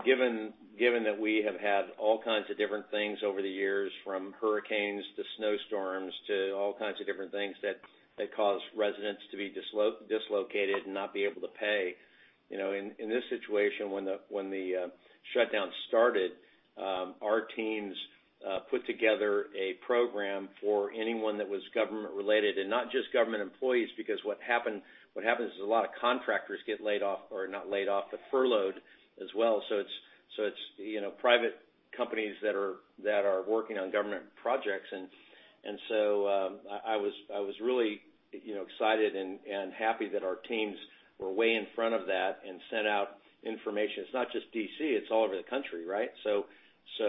given that we have had all kinds of different things over the years, from hurricanes to snowstorms to all kinds of different things that cause residents to be dislocated and not be able to pay. In this situation, when the shutdown started, our teams put together a program for anyone that was government-related, and not just government employees, because what happens is a lot of contractors get laid off, or not laid off, but furloughed as well. It's private companies that are working on government projects. I was really excited and happy that our teams were way in front of that and sent out information. It's not just D.C., it's all over the country, right?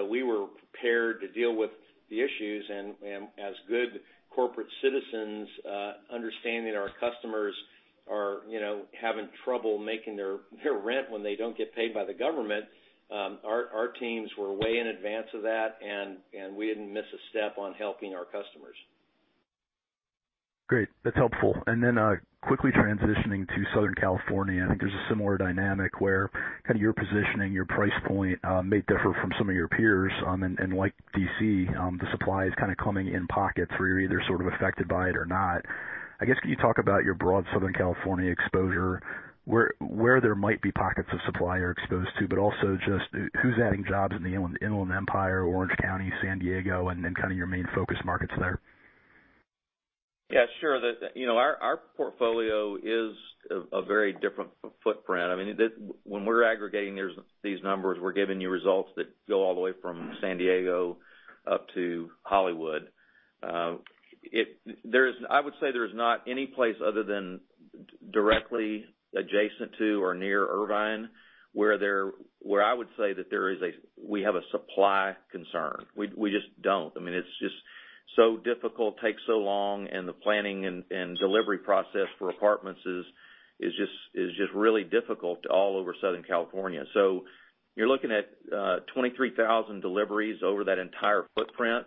We were prepared to deal with the issues, and as good corporate citizens, understanding our customers are having trouble making their rent when they don't get paid by the government. Our teams were way in advance of that, and we didn't miss a step on helping our customers. Great. That's helpful. Then, quickly transitioning to Southern California, I think there's a similar dynamic where kind of your positioning, your price point, may differ from some of your peers. Like D.C., the supply is kind of coming in pockets where you're either sort of affected by it or not. I guess, can you talk about your broad Southern California exposure, where there might be pockets of supply you're exposed to, but also just who's adding jobs in the Inland Empire, Orange County, San Diego, and then kind of your main focus markets there? Yeah, sure. Our portfolio is a very different footprint. When we're aggregating these numbers, we're giving you results that go all the way from San Diego up to Hollywood. I would say there is not any place other than directly adjacent to or near Irvine, where I would say that we have a supply concern. We just don't. It's just so difficult, takes so long, and the planning and delivery process for apartments is just really difficult all over Southern California. You're looking at 23,000 deliveries over that entire footprint,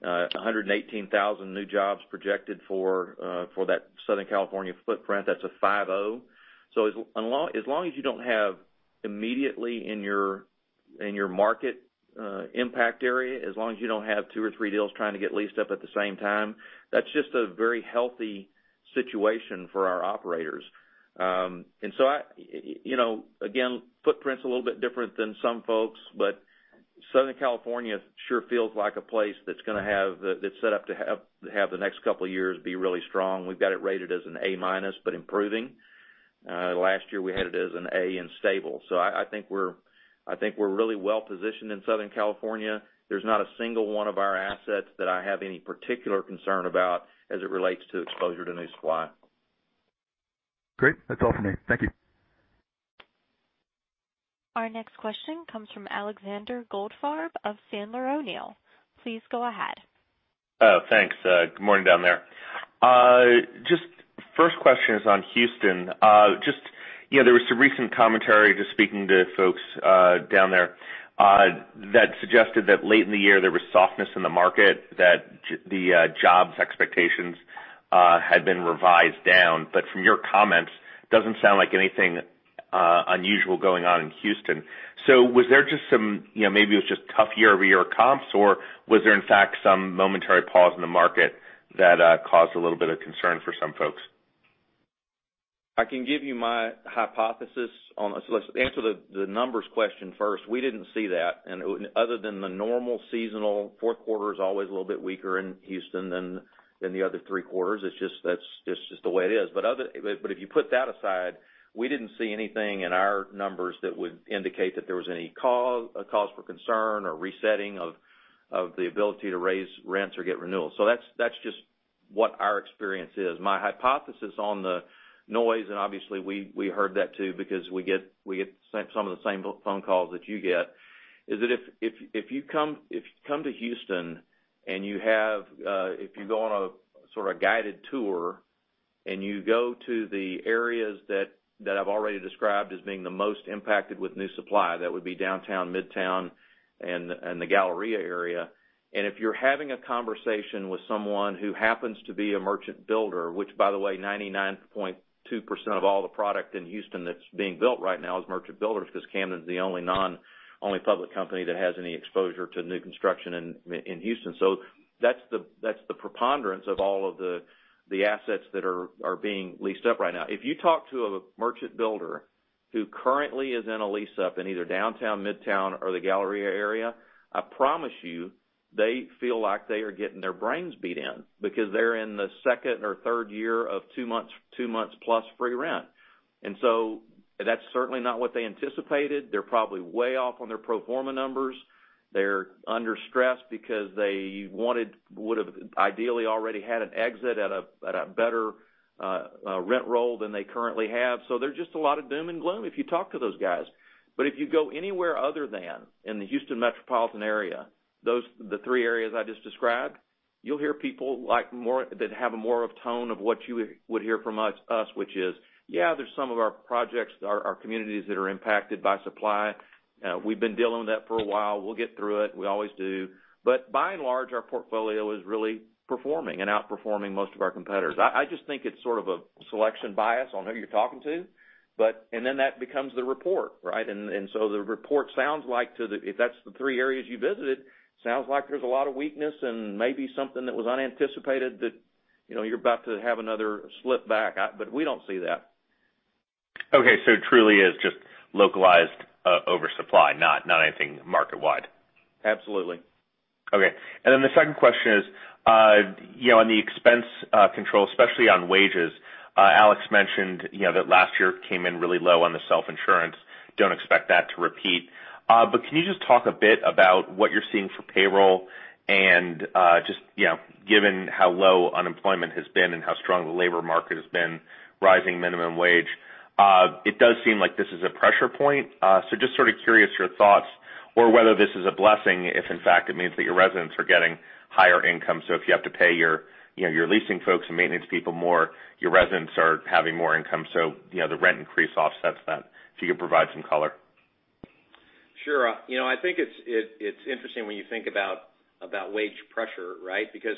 118,000 new jobs projected for that Southern California footprint. That's a 5.0. As long as you don't have immediately in your market impact area, as long as you don't have two or three deals trying to get leased up at the same time, that's just a very healthy situation for our operators. Again, footprint's a little bit different than some folks, but Southern California sure feels like a place that's set up to have the next couple of years be really strong. We've got it rated as an A minus, but improving. Last year, we had it as an A and stable. I think we're really well-positioned in Southern California. There's not a single one of our assets that I have any particular concern about as it relates to exposure to new supply. Great. That's all for me. Thank you. Our next question comes from Alexander Goldfarb of Sandler O'Neill. Please go ahead. Thanks. Good morning down there. Just first question is on Houston. There was some recent commentary, just speaking to folks down there, that suggested that late in the year, there was softness in the market, that the jobs expectations had been revised down. From your comments, doesn't sound like anything unusual going on in Houston. Was there just some, maybe it was just tough year-over-year comps, or was there, in fact, some momentary pause in the market that caused a little bit of concern for some folks? I can give you my hypothesis on this. Let's answer the numbers question first. We didn't see that, and other than the normal seasonal, fourth quarter is always a little bit weaker in Houston than the other three quarters. That's just the way it is. If you put that aside, we didn't see anything in our numbers that would indicate that there was any cause for concern or resetting of the ability to raise rents or get renewals. That's just what our experience is. My hypothesis on the noise, obviously, we heard that too, because we get some of the same phone calls that you get, is that if you come to Houston, if you go on a sort of guided tour. You go to the areas that I've already described as being the most impacted with new supply, that would be Downtown, Midtown, and the Galleria area. If you're having a conversation with someone who happens to be a merchant builder, which by the way, 99.2% of all the product in Houston that's being built right now is merchant builders, because Camden's the only public company that has any exposure to new construction in Houston. That's the preponderance of all of the assets that are being leased up right now. If you talk to a merchant builder who currently is in a lease-up in either Downtown, Midtown, or the Galleria area, I promise you, they feel like they are getting their brains beat in because they're in the second or third year of 2+ months free rent. That's certainly not what they anticipated. They're probably way off on their pro forma numbers. They're under stress because they would've ideally already had an exit at a better rent roll than they currently have. There's just a lot of doom and gloom if you talk to those guys. If you go anywhere other than in the Houston metropolitan area, the three areas I just described, you'll hear people that have a more of tone of what you would hear from us, which is, "Yeah, there's some of our projects, our communities that are impacted by supply. We've been dealing with that for a while. We'll get through it. We always do." By and large, our portfolio is really performing and outperforming most of our competitors. I just think it's sort of a selection bias on who you're talking to. Then that becomes the report, right? The report sounds like, if that's the three areas you visited, sounds like there's a lot of weakness and maybe something that was unanticipated that you're about to have another slip back, but we don't see that. Okay. Truly is just localized oversupply, not anything market wide. Absolutely. Okay. Then the second question is, on the expense control, especially on wages, Alex mentioned that last year came in really low on the self-insurance. Don't expect that to repeat. Can you just talk a bit about what you're seeing for payroll and just given how low unemployment has been and how strong the labor market has been, rising minimum wage, it does seem like this is a pressure point. Just sort of curious your thoughts or whether this is a blessing, if in fact it means that your residents are getting higher income. If you have to pay your leasing folks and maintenance people more, your residents are having more income, so the rent increase offsets that. If you could provide some color. Sure. I think it's interesting when you think about wage pressure, right? Because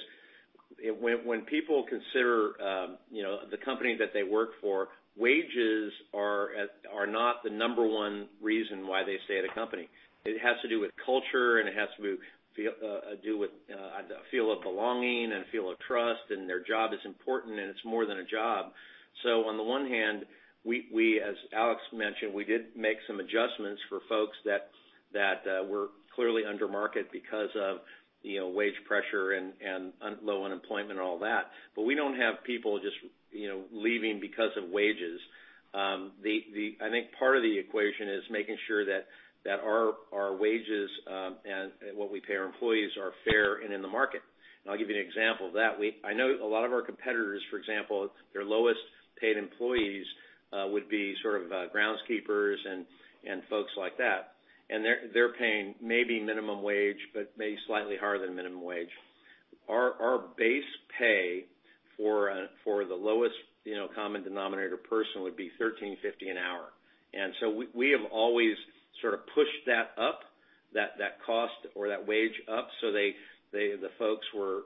when people consider the company that they work for, wages are not the number one reason why they stay at a company. It has to do with culture, and it has to do with a feel of belonging and a feel of trust, and their job is important, and it's more than a job. On the one hand, as Alex mentioned, we did make some adjustments for folks that were clearly under market because of wage pressure and low unemployment and all that. We don't have people just leaving because of wages. I think part of the equation is making sure that our wages, and what we pay our employees are fair and in the market. I'll give you an example of that. I know a lot of our competitors, for example, their lowest paid employees would be sort of groundskeepers and folks like that. They're paying maybe minimum wage, but maybe slightly higher than minimum wage. Our base pay for the lowest common denominator person would be $13.50 an hour. We have always sort of pushed that up, that cost or that wage up, so the folks were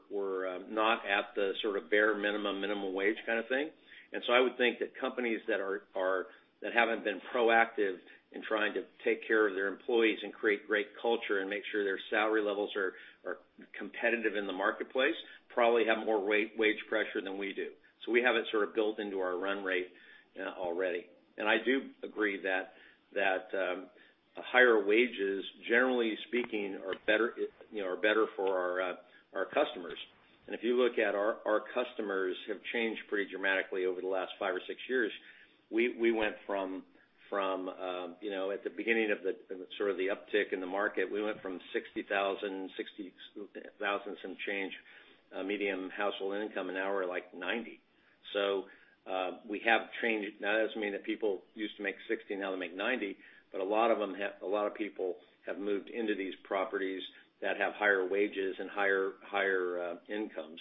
not at the sort of bare minimum wage kind of thing. I would think that companies that haven't been proactive in trying to take care of their employees and create great culture and make sure their salary levels are competitive in the marketplace, probably have more wage pressure than we do. We have it sort of built into our run rate already. I do agree that higher wages, generally speaking, are better for our customers. If you look at our customers have changed pretty dramatically over the last five or six years. At the beginning of the sort of the uptick in the market, we went from 60,000 some change median household income, and now we're like 90. We have changed. That doesn't mean that people used to make 60, now they make 90, but a lot of people have moved into these properties that have higher wages and higher incomes.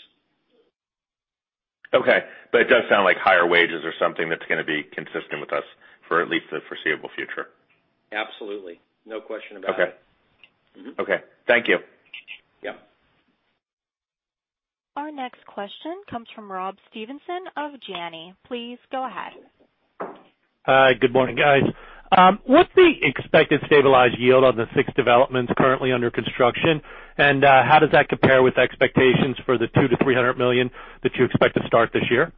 Okay. It does sound like higher wages are something that's going to be consistent with us for at least the foreseeable future. Absolutely. No question about it. Okay. Okay. Thank you. Yeah. Our next question comes from Rob Stevenson of Janney. Please go ahead. Hi. Good morning, guys. What's the expected stabilized yield on the six developments currently under construction, and how does that compare with expectations for the $200 million-$300 million that you expect to start this year?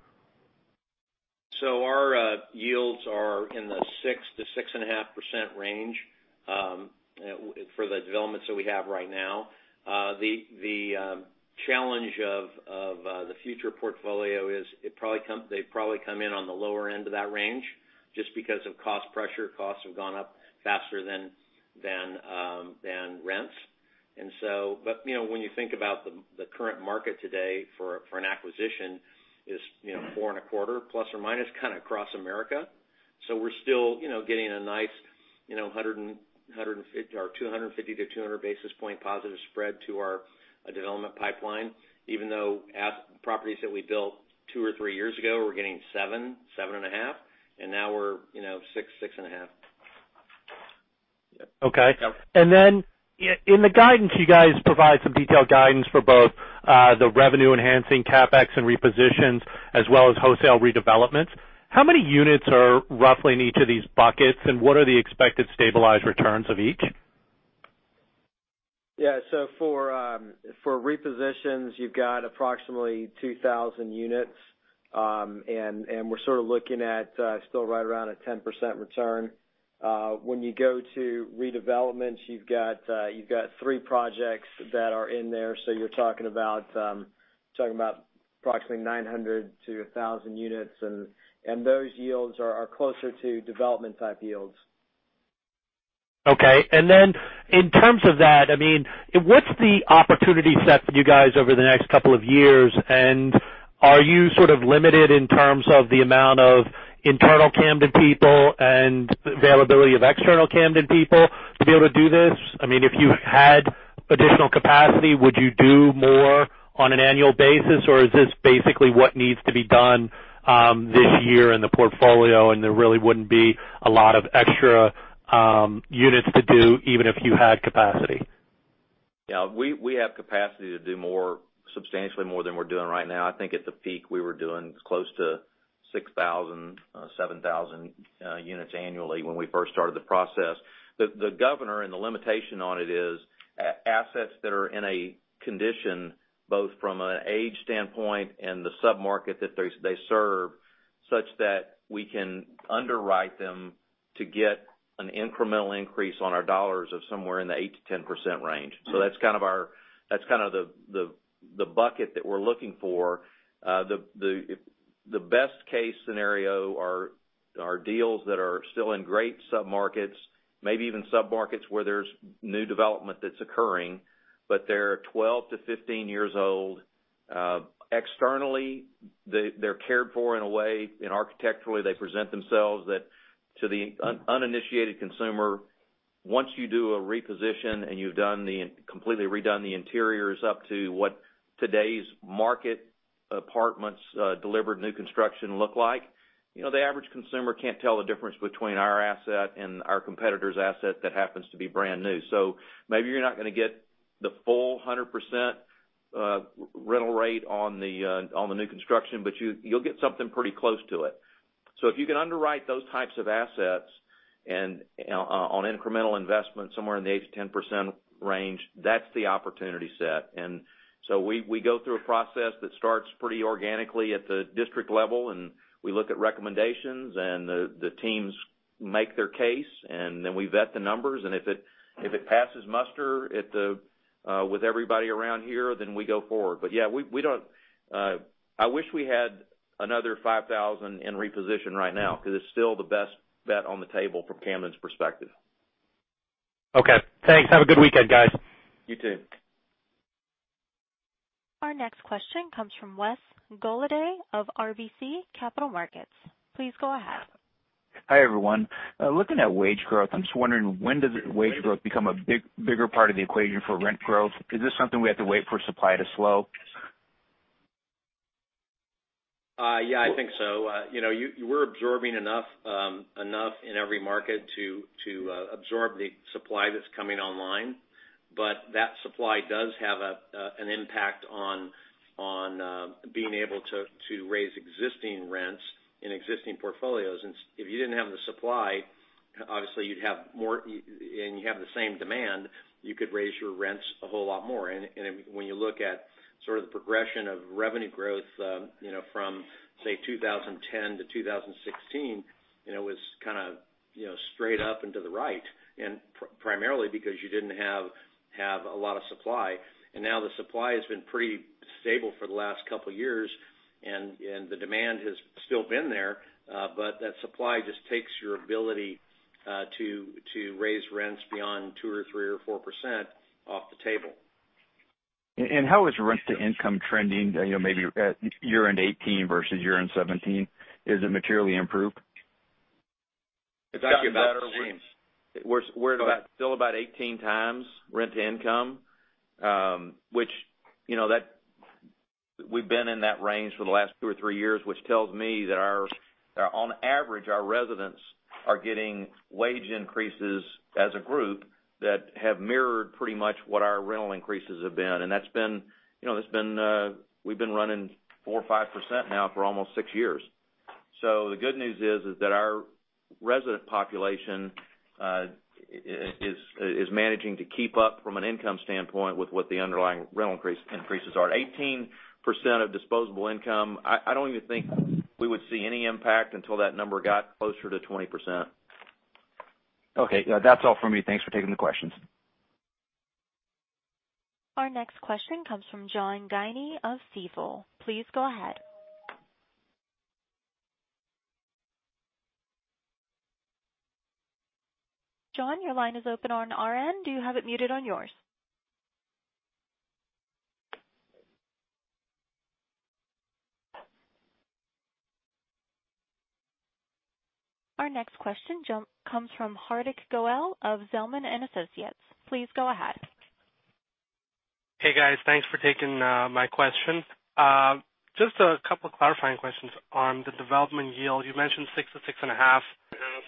Our yields are in the 6%-6.5% range for the developments that we have right now. The challenge of the future portfolio is they probably come in on the lower end of that range just because of cost pressure. Costs have gone up faster than rents. When you think about the current market today for an acquisition is 4.25%, ±, kind of across America. We're still getting a nice 250 to 200 basis point positive spread to our development pipeline, even though properties that we built two or three years ago were getting 7%, 7.5%, and now we're 6%, 6.5%. Okay. Yep. In the guidance, you guys provide some detailed guidance for both the revenue-enhancing CapEx and repositions, as well as wholesale redevelopments. How many units are roughly in each of these buckets, and what are the expected stabilized returns of each? Yeah. For repositions, you've got approximately 2,000 units, and we're sort of looking at still right around a 10% return. When you go to redevelopments, you've got three projects that are in there, you're talking about approximately 900 to 1,000 units, and those yields are closer to development-type yields. Okay. In terms of that, what's the opportunity set for you guys over the next couple of years? Are you sort of limited in terms of the amount of internal Camden people and availability of external Camden people to be able to do this? If you had additional capacity, would you do more on an annual basis, or is this basically what needs to be done this year in the portfolio and there really wouldn't be a lot of extra units to do, even if you had capacity? Yeah. We have capacity to do substantially more than we're doing right now. I think at the peak, we were doing close to 6,000, 7,000 units annually when we first started the process. The governor and the limitation on it is, assets that are in a condition, both from an age standpoint and the sub-market that they serve, such that we can underwrite them to get an incremental increase on our dollars of somewhere in the 8%-10% range. That's kind of the bucket that we're looking for. The best case scenario are deals that are still in great sub-markets, maybe even sub-markets where there's new development that's occurring, but they're 12 to 15 years old. Externally, they're cared for in a way, and architecturally, they present themselves that to the uninitiated consumer, once you do a reposition and you've completely redone the interiors up to what today's market apartments delivered new construction look like, the average consumer can't tell the difference between our asset and our competitor's asset that happens to be brand new. Maybe you're not going to get the full 100% rental rate on the new construction, but you'll get something pretty close to it. If you can underwrite those types of assets and on incremental investment, somewhere in the 8%-10% range, that's the opportunity set. We go through a process that starts pretty organically at the district level. We look at recommendations. The teams make their case. We vet the numbers. If it passes muster with everybody around here, we go forward. Yeah, I wish we had another 5,000 in reposition right now, because it's still the best bet on the table from Camden's perspective. Okay, thanks. Have a good weekend, guys. You, too. Our next question comes from Wes Golladay of RBC Capital Markets. Please go ahead. Hi, everyone. Looking at wage growth, I'm just wondering, when does wage growth become a bigger part of the equation for rent growth? Is this something we have to wait for supply to slow? Yeah, I think so. We're absorbing enough in every market to absorb the supply that's coming online. That supply does have an impact on being able to raise existing rents in existing portfolios. If you didn't have the supply, obviously, and you have the same demand, you could raise your rents a whole lot more. When you look at sort of the progression of revenue growth from, say, 2010 to 2016, it was kind of straight up and to the right, and primarily because you didn't have a lot of supply. Now the supply has been pretty stable for the last couple of years, and the demand has still been there, but that supply just takes your ability to raise rents beyond 2% or 3% or 4% off the table. How is rent-to-income trending, maybe at year-end 2018 versus year-end 2017? Is it materially improved? It's gotten better. We're still about 18x rent to income. We've been in that range for the last two or three years, which tells me that on average, our residents are getting wage increases as a group that have mirrored pretty much what our rental increases have been. We've been running 4% or 5% now for almost six years. The good news is that our resident population is managing to keep up from an income standpoint with what the underlying rental increases are. 18% of disposable income, I don't even think we would see any impact until that number got closer to 20%. Okay. That's all for me. Thanks for taking the questions. Our next question comes from John Guiney of Stifel. Please go ahead. John, your line is open on our end. Do you have it muted on yours? Our next question comes from Hardik Goel of Zelman & Associates. Please go ahead. Hey, guys. Thanks for taking my question. Just a couple of clarifying questions on the development yield. You mentioned 6 to 6.5.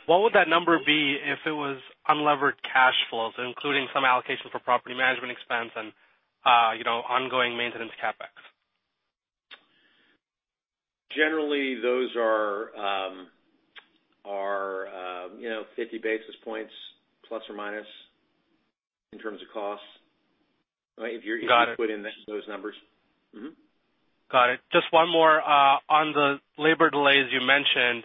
What would that number be if it was unlevered cash flows, including some allocation for property management expense and ongoing maintenance CapEx? Generally, those are 50± basis points in terms of costs. Got it. If you put in those numbers. Got it. Just one more. On the labor delays you mentioned,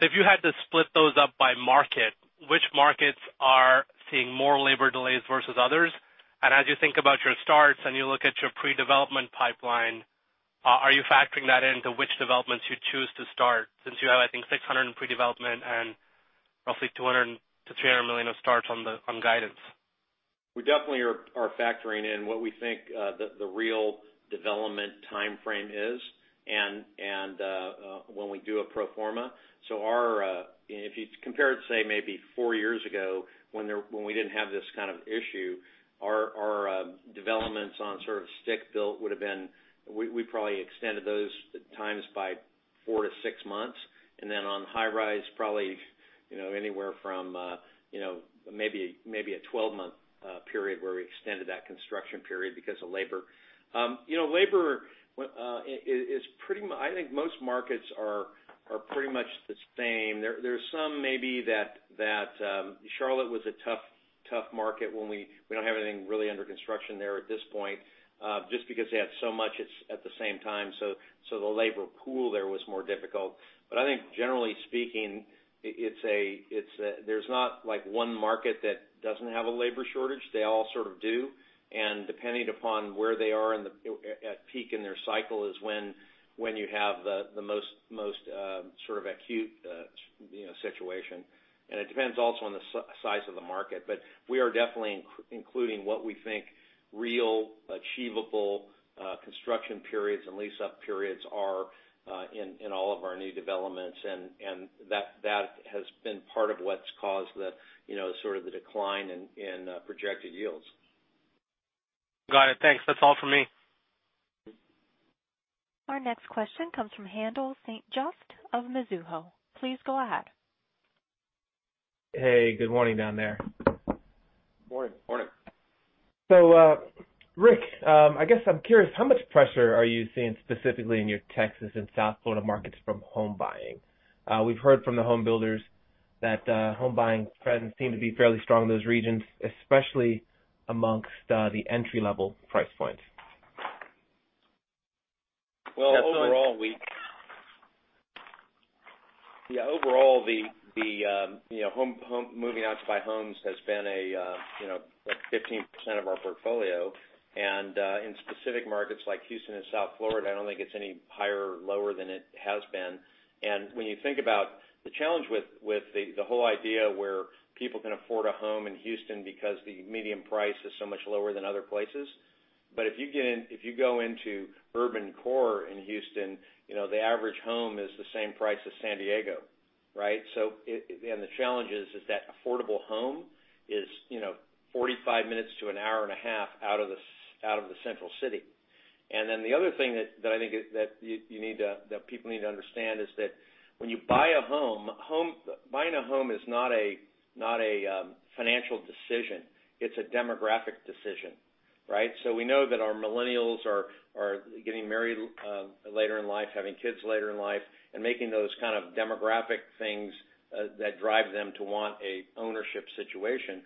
if you had to split those up by market, which markets are seeing more labor delays versus others? As you think about your starts and you look at your pre-development pipeline, are you factoring that into which developments you choose to start, since you have, I think, 600 in pre-development and roughly $200 million-$300 million of starts on guidance? We definitely are factoring in what we think the real development timeframe is, and when we do a pro forma. If you compare it, say, maybe four years ago, when we didn't have this kind of issue, our developments on sort of stick-built, we probably extended those times by four to six months. On high-rise, probably anywhere from maybe a 12-month period, where we extended that construction period because of labor. Labor, I think most markets are pretty much the same. There's some maybe that Charlotte was a tough market when we don't have anything really under construction there at this point, just because they had so much at the same time. The labor pool there was more difficult. I think generally speaking, there's not one market that doesn't have a labor shortage. They all sort of do, and depending upon where they are at peak in their cycle is when you have the most sort of acute situation. It depends also on the size of the market. We are definitely including what we think real achievable construction periods and lease-up periods are in all of our new developments, and that has been part of what's caused the sort of the decline in projected yields. Got it. Thanks. That's all for me. Our next question comes from Haendel St. Juste of Mizuho. Please go ahead. Hey, good morning down there. Morning. Morning. Ric, I guess I'm curious, how much pressure are you seeing specifically in your Texas and South Florida markets from home buying? We've heard from the home builders that home buying trends seem to be fairly strong in those regions, especially amongst the entry-level price points. Overall, the moving out to buy homes has been, like 15% of our portfolio. In specific markets like Houston and South Florida, I don't think it's any higher or lower than it has been. When you think about the challenge with the whole idea where people can afford a home in Houston because the median price is so much lower than other places. If you go into urban core in Houston, the average home is the same price as San Diego, right? The challenge is that affordable home is 45 minutes to an 4.5 out of the central city. The other thing that I think that people need to understand is that when you buy a home, buying a home is not a financial decision, it's a demographic decision, right? We know that our millennials are getting married later in life, having kids later in life, and making those kind of demographic things that drive them to want an ownership situation.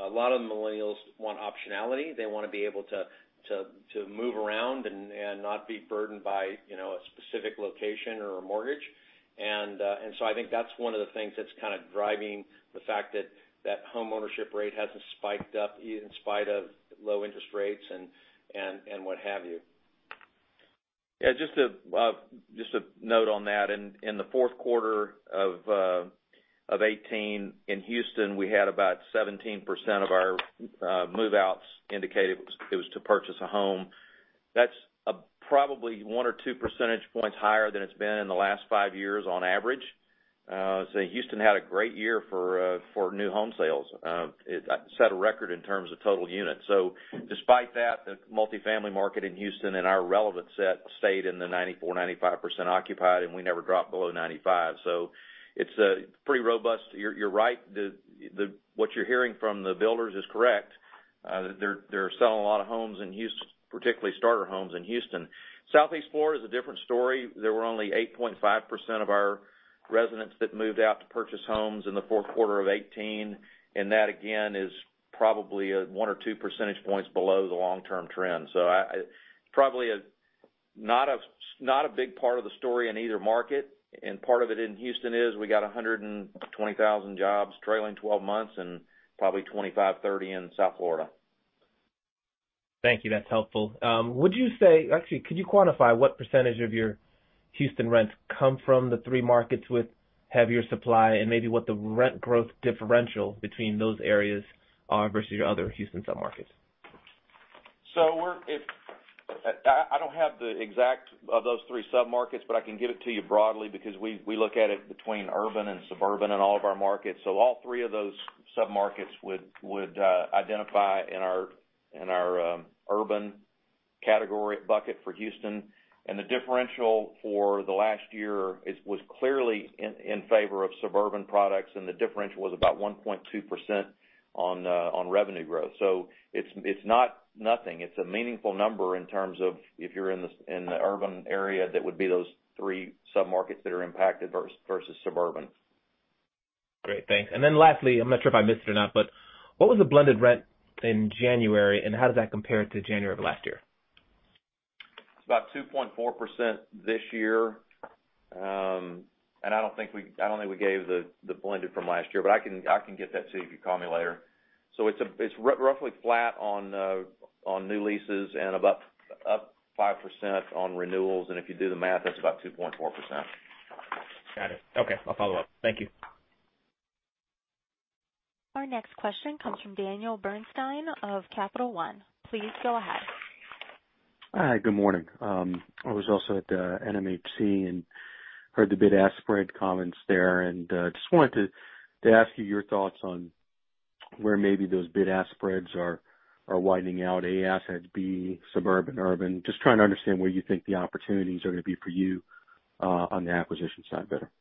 A lot of millennials want optionality. They want to be able to move around and not be burdened by a specific location or a mortgage. I think that's one of the things that's kind of driving the fact that home ownership rate hasn't spiked up in spite of low interest rates and what have you. Just a note on that. In the fourth quarter of 2018 in Houston, we had about 17% of our move-outs indicated it was to purchase a home. That's probably one or 2 percentage points higher than it's been in the last five years on average. Houston had a great year for new home sales. It set a record in terms of total units. Despite that, the multifamily market in Houston and our relevant set stayed in the 94%-95% occupied, and we never dropped below 95%. It's pretty robust. You're right. What you're hearing from the builders is correct. They're selling a lot of homes in Houston, particularly starter homes in Houston. Southeast Florida is a different story. There were only 8.5% of our residents that moved out to purchase homes in the fourth quarter of 2018, and that again, is probably one or two percentage points below the long-term trend. Probably not a big part of the story in either market. Part of it in Houston is we got 120,000 jobs trailing 12 months and probably 25,000-30,000 in South Florida. Thank you. That's helpful. Actually, could you quantify what percentage of your Houston rents come from the three markets with heavier supply, and maybe what the rent growth differential between those areas are versus your other Houston submarkets. I don't have the exact of those three submarkets, but I can give it to you broadly because we look at it between urban and suburban in all of our markets. All three of those submarkets would identify in our urban category bucket for Houston. The differential for the last year was clearly in favor of suburban products, and the differential was about 1.2% on revenue growth. It's not nothing. It's a meaningful number in terms of if you're in the urban area, that would be those three submarkets that are impacted versus suburban. Great, thanks. Lastly, I'm not sure if I missed it or not, but what was the blended rent in January, and how does that compare to January of last year? It's about 2.4% this year. I don't think we gave the blended from last year, but I can get that to you if you call me later. It's roughly flat on new leases and about up 5% on renewals, and if you do the math, that's about 2.4%. Got it. Okay, I'll follow up. Thank you. Our next question comes from Daniel Bernstein of Capital One. Please go ahead. Hi. Good morning. I was also at NMHC and heard the bid-ask spread comments there and wanted to ask you your thoughts on where maybe those bid-ask spreads are widening out, A, assets, B, suburban, urban. Just trying to understand where you think the opportunities are going to be for you on the acquisition side better.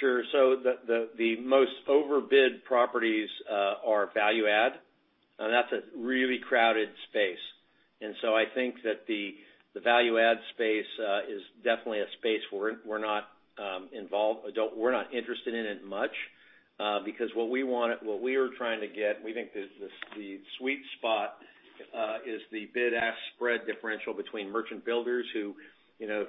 Sure. The most overbid properties are value add, and that's a really crowded space. I think that the value add space is definitely a space we're not interested in as much, because what we are trying to get, we think the sweet spot is the bid-ask spread differential between merchant builders who have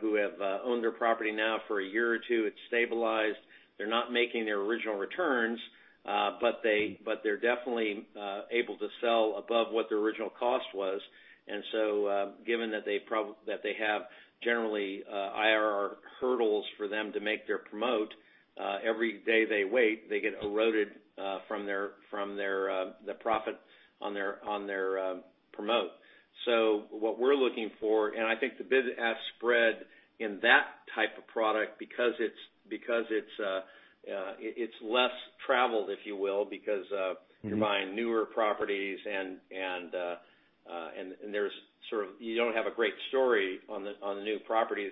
owned their property now for a year or two. It's stabilized. They're not making their original returns, but they're definitely able to sell above what their original cost was. Given that they have generally IRR hurdles for them to make their promote, every day they wait, they get eroded from the profit on their promote. What we're looking for, I think the bid-ask spread in that type of product, because it's less traveled, if you will, because you're buying newer properties, you don't have a great story on the new properties.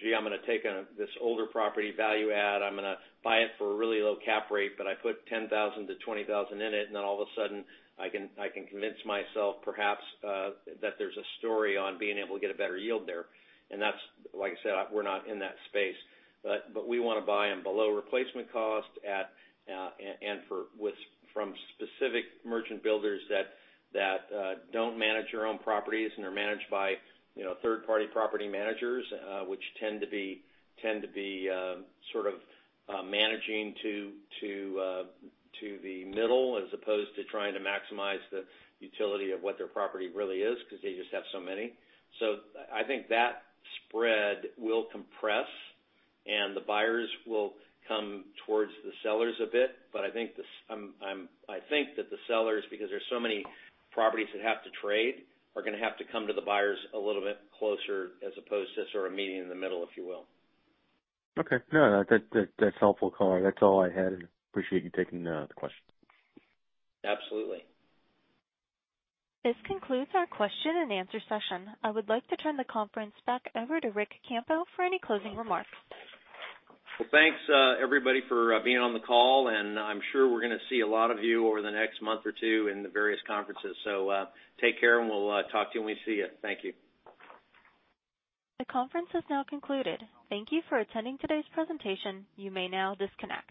Gee, I'm going to take this older property value add, I'm going to buy it for a really low cap rate, but I put $10,000 to $20,000 in it, then all of a sudden, I can convince myself perhaps that there's a story on being able to get a better yield there. That's, like I said, we're not in that space. We want to buy them below replacement cost and from specific merchant builders that don't manage their own properties and are managed by third-party property managers, which tend to be sort of managing to the middle as opposed to trying to maximize the utility of what their property really is because they just have so many. I think that spread will compress, the buyers will come towards the sellers a bit. I think that the sellers, because there's so many properties that have to trade, are going to have to come to the buyers a little bit closer, as opposed to sort of meeting in the middle, if you will. Okay. No, that's helpful, Colin. That's all I had, appreciate you taking the question. Absolutely. This concludes our question and answer session. I would like to turn the conference back over to Ric Campo for any closing remarks. Thanks, everybody, for being on the call, and I'm sure we're going to see a lot of you over the next month or two in the various conferences. Take care, and we'll talk to you when we see you. Thank you. The conference has now concluded. Thank you for attending today's presentation. You may now disconnect.